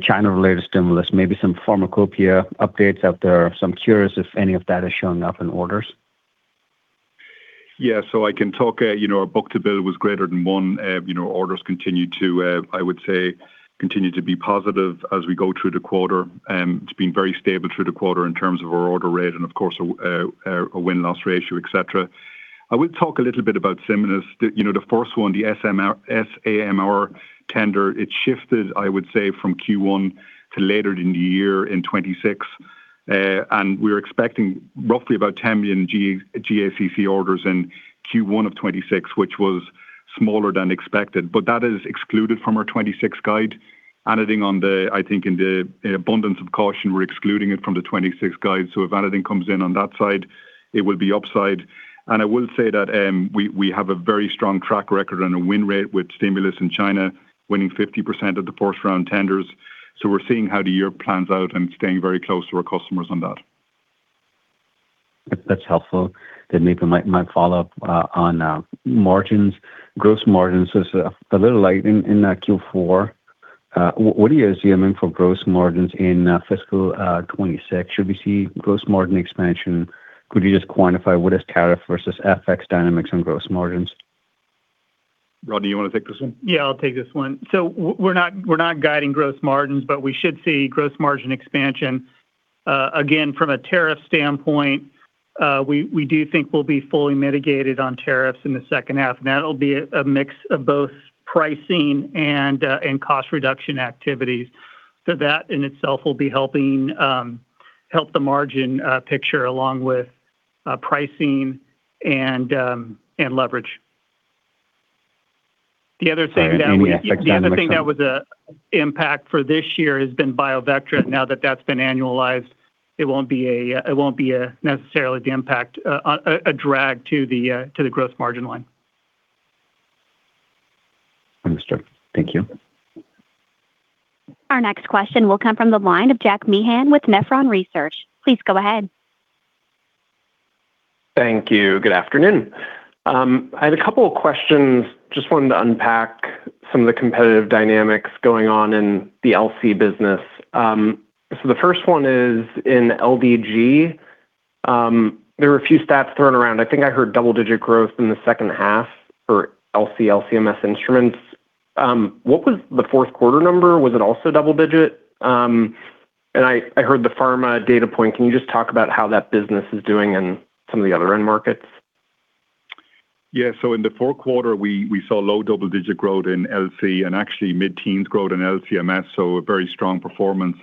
[SPEAKER 14] China-related stimulus, maybe some pharmacopia updates out there. I'm curious if any of that is showing up in orders. Yeah.
[SPEAKER 3] I can talk at our book to bill was greater than one. Orders continued to, I would say, continue to be positive as we go through the quarter. It's been very stable through the quarter in terms of our order rate and, of course, our win-loss ratio, etc. I will talk a little bit about stimulus. The first one, the SAMR tender, it shifted, I would say, from Q1 to later in the year in 2026. We were expecting roughly about $10 million GACC orders in Q1 of 2026, which was smaller than expected. That is excluded from our 2026 guide. Anything on the, I think, in the abundance of caution, we're excluding it from the 2026 guide. If anything comes in on that side, it will be upside. I will say that we have a very strong track record and a win rate with stimulus in China, winning 50% of the first round tenders. We are seeing how the year plans out and staying very close to our customers on that.
[SPEAKER 14] That's helpful. Maybe my follow-up on margins. Gross margins is a little light in Q4. What do you assume for gross margins in fiscal 2026? Should we see gross margin expansion? Could you just quantify what is tariff versus FX dynamics on gross margins?
[SPEAKER 3] Rodney, you want to take this one?
[SPEAKER 5] Yeah, I'll take this one. We are not guiding gross margins, but we should see gross margin expansion. Again, from a tariff standpoint, we do think we will be fully mitigated on tariffs in the second half. That will be a mix of both pricing and cost reduction activities. That in itself will be helping the margin picture along with pricing and leverage. The other thing that we think that was an impact for this year has been BIOVECTRA. Now that that's been annualized, it will not necessarily be the impact, a drag to the gross margin line.
[SPEAKER 14] Understood. Thank you.
[SPEAKER 1] Our next question will come from the line of Jack Meehan with Nephron Research. Please go ahead.
[SPEAKER 15] Thank you. Good afternoon. I had a couple of questions. Just wanted to unpack some of the competitive dynamics going on in the LC business. The first one is in LDG. There were a few stats thrown around. I think I heard double-digit growth in the second half for LC, LCMS instruments. What was the fourth quarter number? Was it also double-digit? I heard the pharma data point. Can you just talk about how that business is doing in some of the other end markets?
[SPEAKER 3] Yeah. In the fourth quarter, we saw low double-digit growth in LC and actually mid-teens growth in LCMS, so a very strong performance.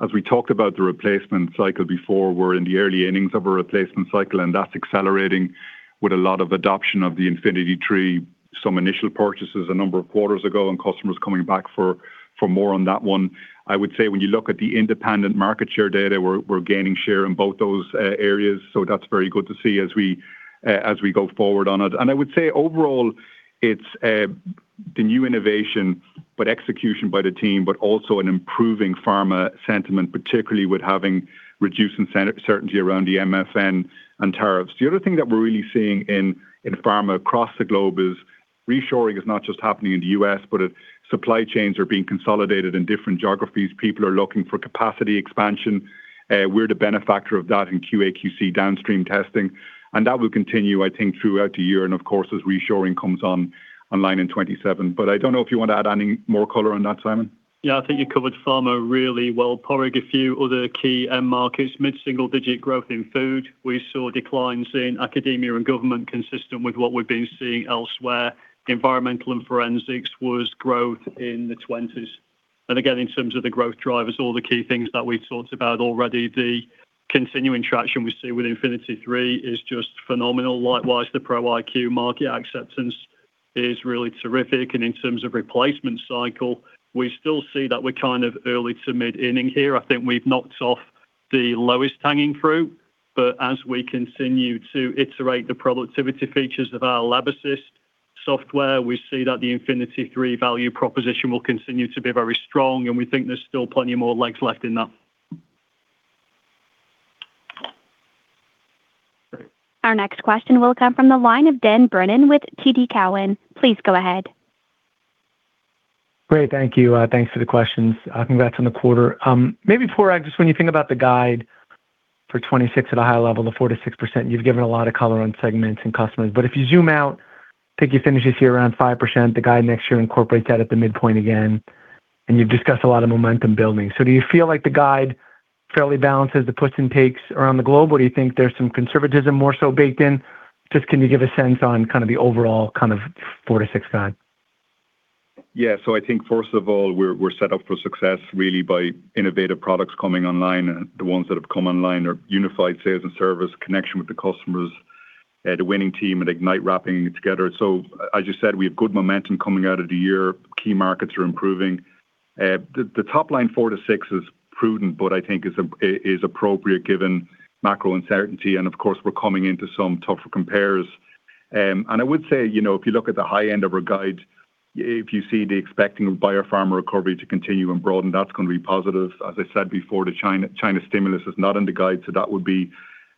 [SPEAKER 3] As we talked about the replacement cycle before, we're in the early innings of a replacement cycle, and that's accelerating with a lot of adoption of the Infinity III, some initial purchases a number of quarters ago, and customers coming back for more on that one. I would say when you look at the independent market share data, we're gaining share in both those areas. That is very good to see as we go forward on it. I would say overall, it's the new innovation, but execution by the team, but also an improving pharma sentiment, particularly with having reduced uncertainty around the MFN and tariffs. The other thing that we're really seeing in pharma across the globe is reshoring is not just happening in the U.S., but supply chains are being consolidated in different geographies. People are looking for capacity expansion. We're the benefactor of that in QA/QC downstream testing. That will continue, I think, throughout the year and, of course, as reshoring comes online in 2027. I don't know if you want to add any more color on that, Simon.
[SPEAKER 8] Yeah, I think you covered pharma really well. Padraig, a few other key end markets. Mid-single digit growth in food. We saw declines in academia and government consistent with what we've been seeing elsewhere. Environmental and forensics was growth in the 20s. Again, in terms of the growth drivers, all the key things that we talked about already, the continuing traction we see with Infinity III is just phenomenal. Likewise, the Pro iQ market acceptance is really terrific. In terms of replacement cycle, we still see that we're kind of early to mid-inning here. I think we've knocked off the lowest hanging fruit. As we continue to iterate the productivity features of our LabAssist software, we see that the Infinity III value proposition will continue to be very strong. We think there's still plenty more legs left in that.
[SPEAKER 1] Our next question will come from the line of Dan Brennan with TD Cowen. Please go ahead.
[SPEAKER 16] Great. Thank you. Thanks for the questions. Congrats on the quarter. Maybe Padraig, just when you think about the guide for 2026 at a high level, the 4-6%, you've given a lot of color on segments and customers. If you zoom out, I think you finish this year around 5%. The guide next year incorporates that at the midpoint again. You've discussed a lot of momentum building. Do you feel like the guide fairly balances the puts and takes around the globe? Do you think there's some conservatism more so baked in? Can you give a sense on the overall four to six guide?
[SPEAKER 3] I think, first of all, we're set up for success really by innovative products coming online. The ones that have come online are unified sales and service connection with the customers, the winning team, and Ignite wrapping together. As you said, we have good momentum coming out of the year. Key markets are improving. The top line four to six is prudent, but I think is appropriate given macro uncertainty. Of course, we're coming into some tougher compares. I would say if you look at the high end of our guide, if you see the expecting by our pharma recovery to continue and broaden, that's going to be positive. As I said before, the China stimulus is not in the guide.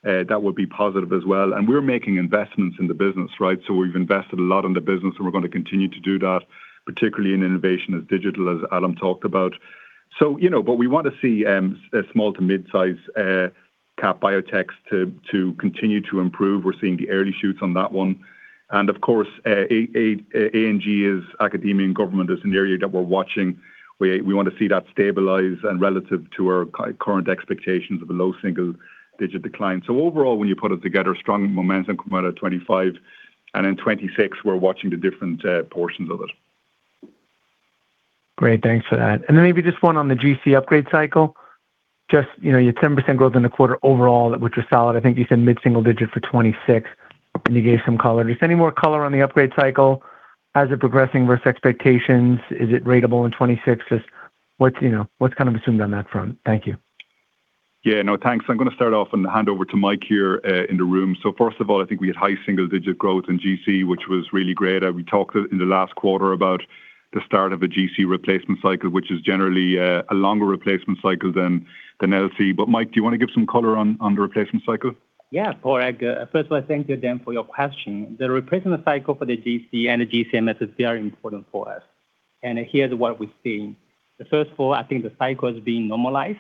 [SPEAKER 3] That would be positive as well. We're making investments in the business, right? We've invested a lot in the business, and we're going to continue to do that, particularly in innovation as digital as Adam talked about. We want to see small to mid-size cap biotechs continue to improve. We're seeing the early shoots on that one. Of course, A&G is academia and government, which is an area that we're watching. We want to see that stabilize and relative to our current expectations of a low single digit decline. Overall, when you put it together, strong momentum come out of 2025. In 2026, we're watching the different portions of it.
[SPEAKER 16] Great. Thanks for that. Maybe just one on the GC upgrade cycle. Just your 10% growth in the quarter overall, which was solid. I think you said mid-single digit for 2026, and you gave some color. Just any more color on the upgrade cycle? How's it progressing versus expectations? Is it ratable in 2026? Just what's kind of assumed on that front? Thank you.
[SPEAKER 3] Yeah. No, thanks. I'm going to start off and hand over to Mike here in the room. First of all, I think we had high single digit growth in GC, which was really great. We talked in the last quarter about the start of a GC replacement cycle, which is generally a longer replacement cycle than LC. Mike, do you want to give some color on the replacement cycle?
[SPEAKER 17] Yeah. Padraig, first of all, thank you, Dan, for your question. The replacement cycle for the GC and the GCMS is very important for us. Here's what we've seen. First of all, I think the cycle has been normalized.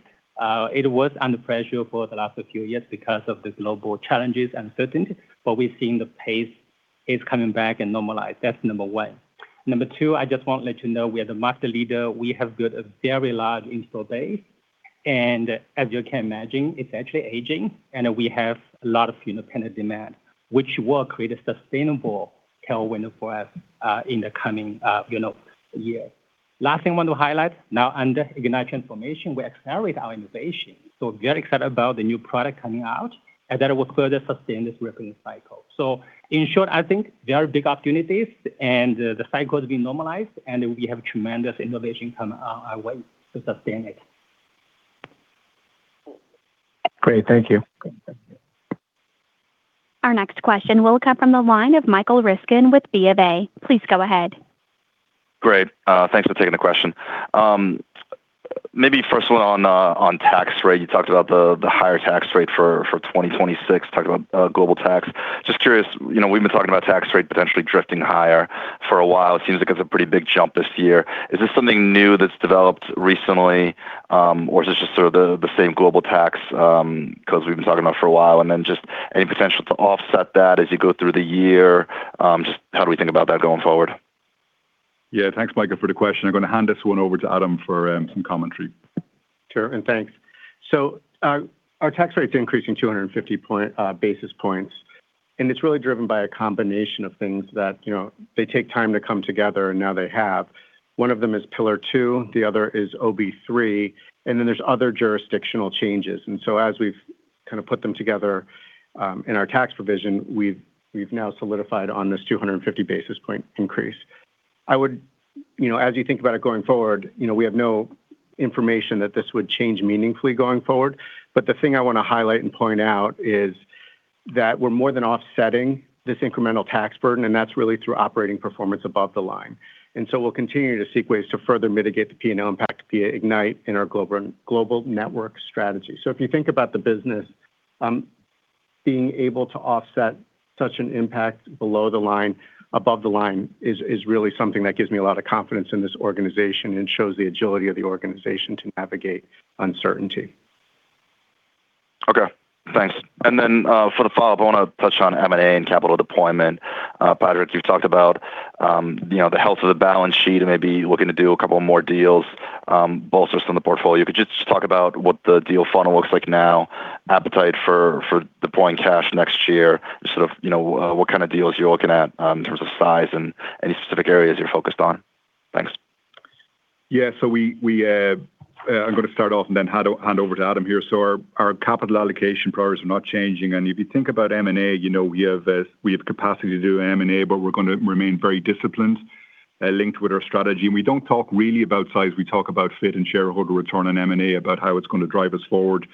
[SPEAKER 17] It was under pressure for the last few years because of the global challenges and uncertainty. We've seen the pace is coming back and normalized. That's number one. Number two, I just want to let you know we are the market leader. We have built a very large install base. As you can imagine, it's actually aging. We have a lot of independent demand, which will create a sustainable tailwind for us in the coming year. Last thing I want to highlight. Now, under Ignite transformation, we accelerate our innovation. We're very excited about the new product coming out and that it will further sustain this reckoning cycle. In short, I think very big opportunities and the cycle has been normalized. We have tremendous innovation coming our way to sustain it.
[SPEAKER 16] Great. Thank you.
[SPEAKER 1] Our next question will come from the line of Michael Ryskin with BofA. Please go ahead.
[SPEAKER 18] Great. Thanks for taking the question. Maybe first one on tax rate. You talked about the higher tax rate for 2026, talked about global tax. Just curious, we've been talking about tax rate potentially drifting higher for a while. It seems like it's a pretty big jump this year. Is this something new that's developed recently, or is this just sort of the same global tax because we've been talking about it for a while? Then just any potential to offset that as you go through the year? Just how do we think about that going forward?
[SPEAKER 3] Yeah. Thanks, Michael, for the question. I'm going to hand this one over to Adam for some commentary.
[SPEAKER 4] Sure. And thanks. Our tax rate's increasing 250 basis points. It is really driven by a combination of things that take time to come together, and now they have. One of them is Pillar Two. The other is OB3. Then there are other jurisdictional changes. As we have kind of put them together in our tax provision, we have now solidified on this 250 basis point increase. I would, as you think about it going forward, say we have no information that this would change meaningfully going forward. The thing I want to highlight and point out is that we're more than offsetting this incremental tax burden, and that's really through operating performance above the line. We will continue to seek ways to further mitigate the P&L impact via Ignite in our global network strategy. If you think about the business, being able to offset such an impact below the line, above the line is really something that gives me a lot of confidence in this organization and shows the agility of the organization to navigate uncertainty.
[SPEAKER 18] Okay. Thanks. For the follow-up, I want to touch on M&A and capital deployment. Padraig, you've talked about the health of the balance sheet and maybe looking to do a couple more deals, bolsters on the portfolio. Could you just talk about what the deal funnel looks like now, appetite for deploying cash next year, sort of what kind of deals you're looking at in terms of size and any specific areas you're focused on? Thanks.
[SPEAKER 3] Yeah. I'm going to start off and then hand over to Adam here. Our capital allocation priors are not changing. If you think about M&A, we have capacity to do M&A, but we're going to remain very disciplined, linked with our strategy. We don't talk really about size. We talk about fit and shareholder return on M&A, about how it's going to drive us forward.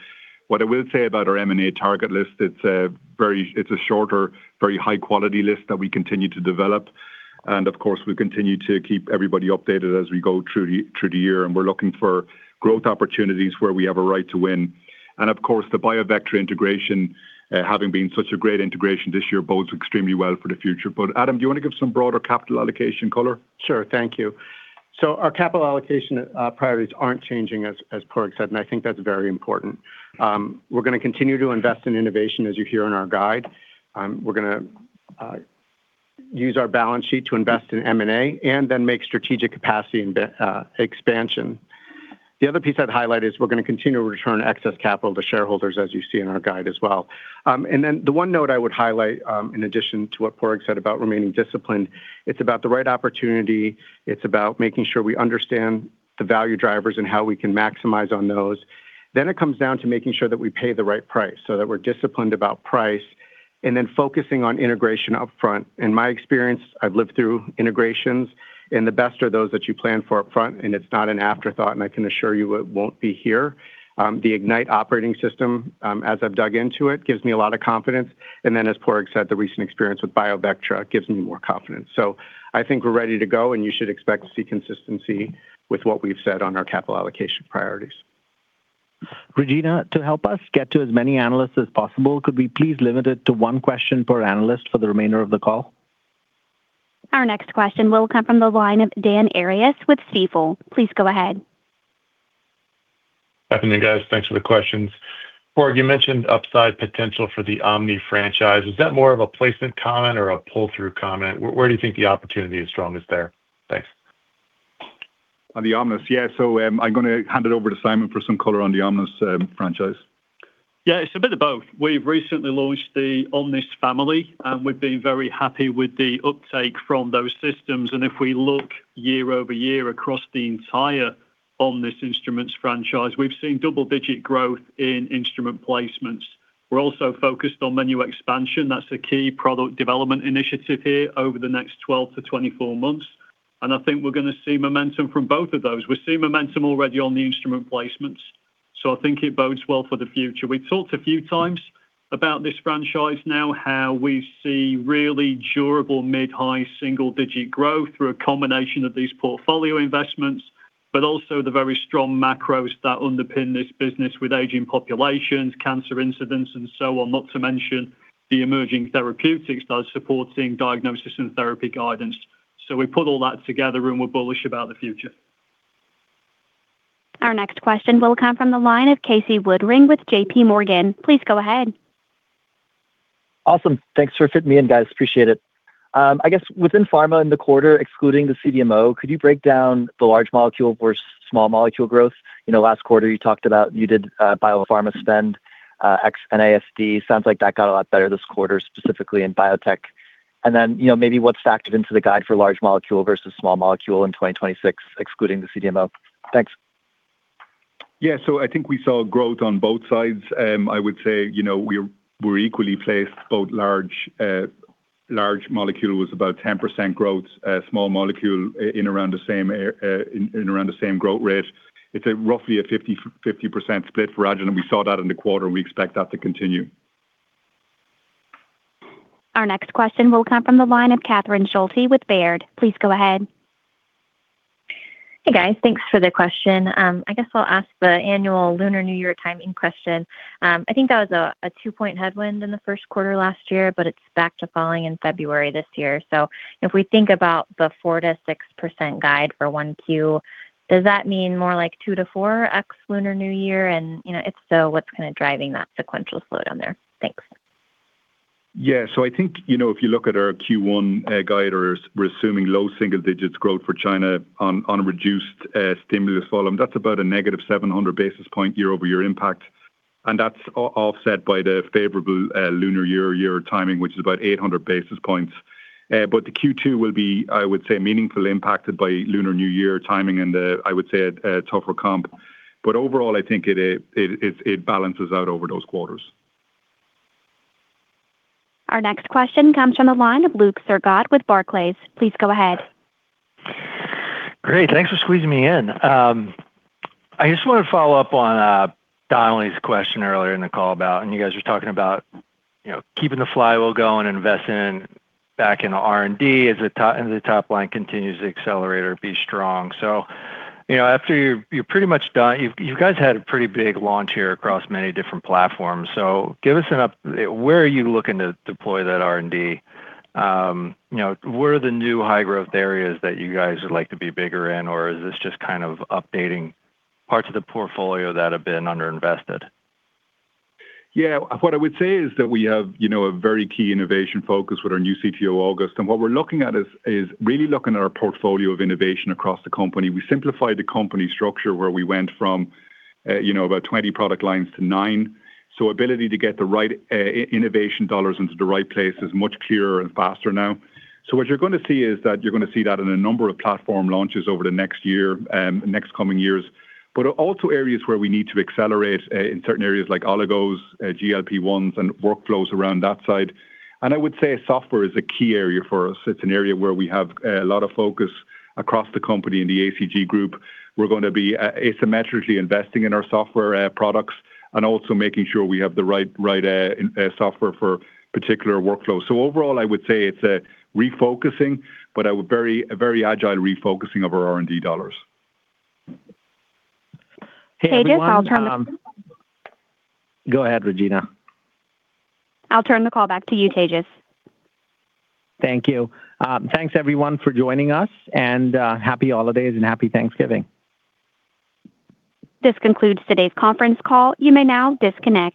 [SPEAKER 3] What I will say about our M&A target list, it's a shorter, very high-quality list that we continue to develop. Of course, we continue to keep everybody updated as we go through the year. We are looking for growth opportunities where we have a right to win. Of course, the BIOVECTRA integration, having been such a great integration this year, bodes extremely well for the future. Adam, do you want to give some broader capital allocation color?
[SPEAKER 4] Sure. Thank you. Our capital allocation priorities are not changing, as Padraig said. I think that is very important. We are going to continue to invest in innovation, as you hear in our guide. We are going to use our balance sheet to invest in M&A and then make strategic capacity expansion. The other piece I would highlight is we are going to continue to return excess capital to shareholders, as you see in our guide as well. The one note I would highlight, in addition to what Padraig said about remaining disciplined, is that it is about the right opportunity. It's about making sure we understand the value drivers and how we can maximize on those. Then it comes down to making sure that we pay the right price so that we're disciplined about price and then focusing on integration upfront. In my experience, I've lived through integrations, and the best are those that you plan for upfront, and it's not an afterthought. I can assure you it won't be here. The Ignite operating system, as I've dug into it, gives me a lot of confidence. As Padraig said, the recent experience with BIOVECTRA gives me more confidence. I think we're ready to go, and you should expect to see consistency with what we've said on our capital allocation priorities.
[SPEAKER 2] Regina, to help us get to as many analysts as possible, could we please limit it to one question per analyst for the remainder of the call?
[SPEAKER 1] Our next question will come from the line of Dan Arias with Stifel. Please go ahead.
[SPEAKER 19] Good afternoon, guys. Thanks for the questions. Padraig, you mentioned upside potential for the Omnis franchise. Is that more of a placement comment or a pull-through comment? Where do you think the opportunity is strongest there? Thanks.
[SPEAKER 3] On the Omnis, yeah. I am going to hand it over to Simon for some color on the Omnis franchise.
[SPEAKER 8] Yeah, it is a bit of both. We have recently launched the Omnis family, and we have been very happy with the uptake from those systems. If we look year over year across the entire Omnis instruments franchise, we have seen double-digit growth in instrument placements. We are also focused on menu expansion. That's a key product development initiative here over the next 12 to 24 months. I think we're going to see momentum from both of those. We're seeing momentum already on the instrument placements. I think it bodes well for the future. We talked a few times about this franchise now, how we see really durable mid-high single-digit growth through a combination of these portfolio investments, but also the very strong macros that underpin this business with aging populations, cancer incidents, and so on, not to mention the emerging therapeutics that are supporting diagnosis and therapy guidance. We put all that together, and we're bullish about the future.
[SPEAKER 1] Our next question will come from the line of Casey Woodring with JP Morgan. Please go ahead.
[SPEAKER 20] Awesome. Thanks for fitting me in, guys. Appreciate it. I guess within pharma in the quarter, excluding the CDMO, could you break down the large molecule versus small molecule growth? Last quarter, you talked about you did biopharma spend, XNASD. Sounds like that got a lot better this quarter, specifically in biotech. And then maybe what's factored into the guide for large molecule versus small molecule in 2026, excluding the CDMO? Thanks.
[SPEAKER 3] Yeah. I think we saw growth on both sides. I would say we were equally placed. Both large molecule was about 10% growth, small molecule in around the same growth rate. It's roughly a 50% split for Agilent. We saw that in the quarter, and we expect that to continue.
[SPEAKER 1] Our next question will come from the line of Catherine Schulte with Baird. Please go ahead.
[SPEAKER 13] Hey, guys. Thanks for the question. I guess I'll ask the annual Lunar New Year timing question. I think that was a two-point headwind in the first quarter last year, but it's back to falling in February this year. If we think about the 4%-6% guide for one Q, does that mean more like 2-4x Lunar New Year? If so, what's kind of driving that sequential slowdown there? Thanks.
[SPEAKER 3] Yeah. I think if you look at our Q1 guide, we're assuming low single digits growth for China on a reduced stimulus volume. That's about a negative 700 basis point year-over-year impact. That's offset by the favorable Lunar year-to-year timing, which is about 800 basis points. Q2 will be, I would say, meaningfully impacted by Lunar New Year timing and, I would say, a tougher comp. Overall, I think it balances out over those quarters.
[SPEAKER 1] Our next question comes from the line of Luke Sergott with Barclays. Please go ahead.
[SPEAKER 21] Great. Thanks for squeezing me in. I just want to follow up on Donnelly's question earlier in the call about, and you guys were talking about keeping the flywheel going and investing back in R&D as the top line continues to accelerate or be strong. After you're pretty much done, you guys had a pretty big launch here across many different platforms. Give us an update. Where are you looking to deploy that R&D? What are the new high-growth areas that you guys would like to be bigger in? Is this just kind of updating parts of the portfolio that have been underinvested?
[SPEAKER 3] Yeah. What I would say is that we have a very key innovation focus with our new CTO, August. What we're looking at is really looking at our portfolio of innovation across the company. We simplified the company structure where we went from about 20 product lines to nine. The ability to get the right innovation dollars into the right place is much clearer and faster now. What you're going to see is that you're going to see that in a number of platform launches over the next year, next coming years, but also areas where we need to accelerate in certain areas like oligos, GLP-1s, and workflows around that side. I would say software is a key area for us. It's an area where we have a lot of focus across the company in the ACG group. We're going to be asymmetrically investing in our software products and also making sure we have the right software for particular workflows. Overall, I would say it's a refocusing, but a very agile refocusing of our R&D dollars.
[SPEAKER 2] Go ahead, Regina.
[SPEAKER 1] I'll turn the call back to you, Tejas.
[SPEAKER 2] Thank you. Thanks, everyone, for joining us. Happy holidays and happy Thanksgiving.
[SPEAKER 1] This concludes today's conference call. You may now disconnect.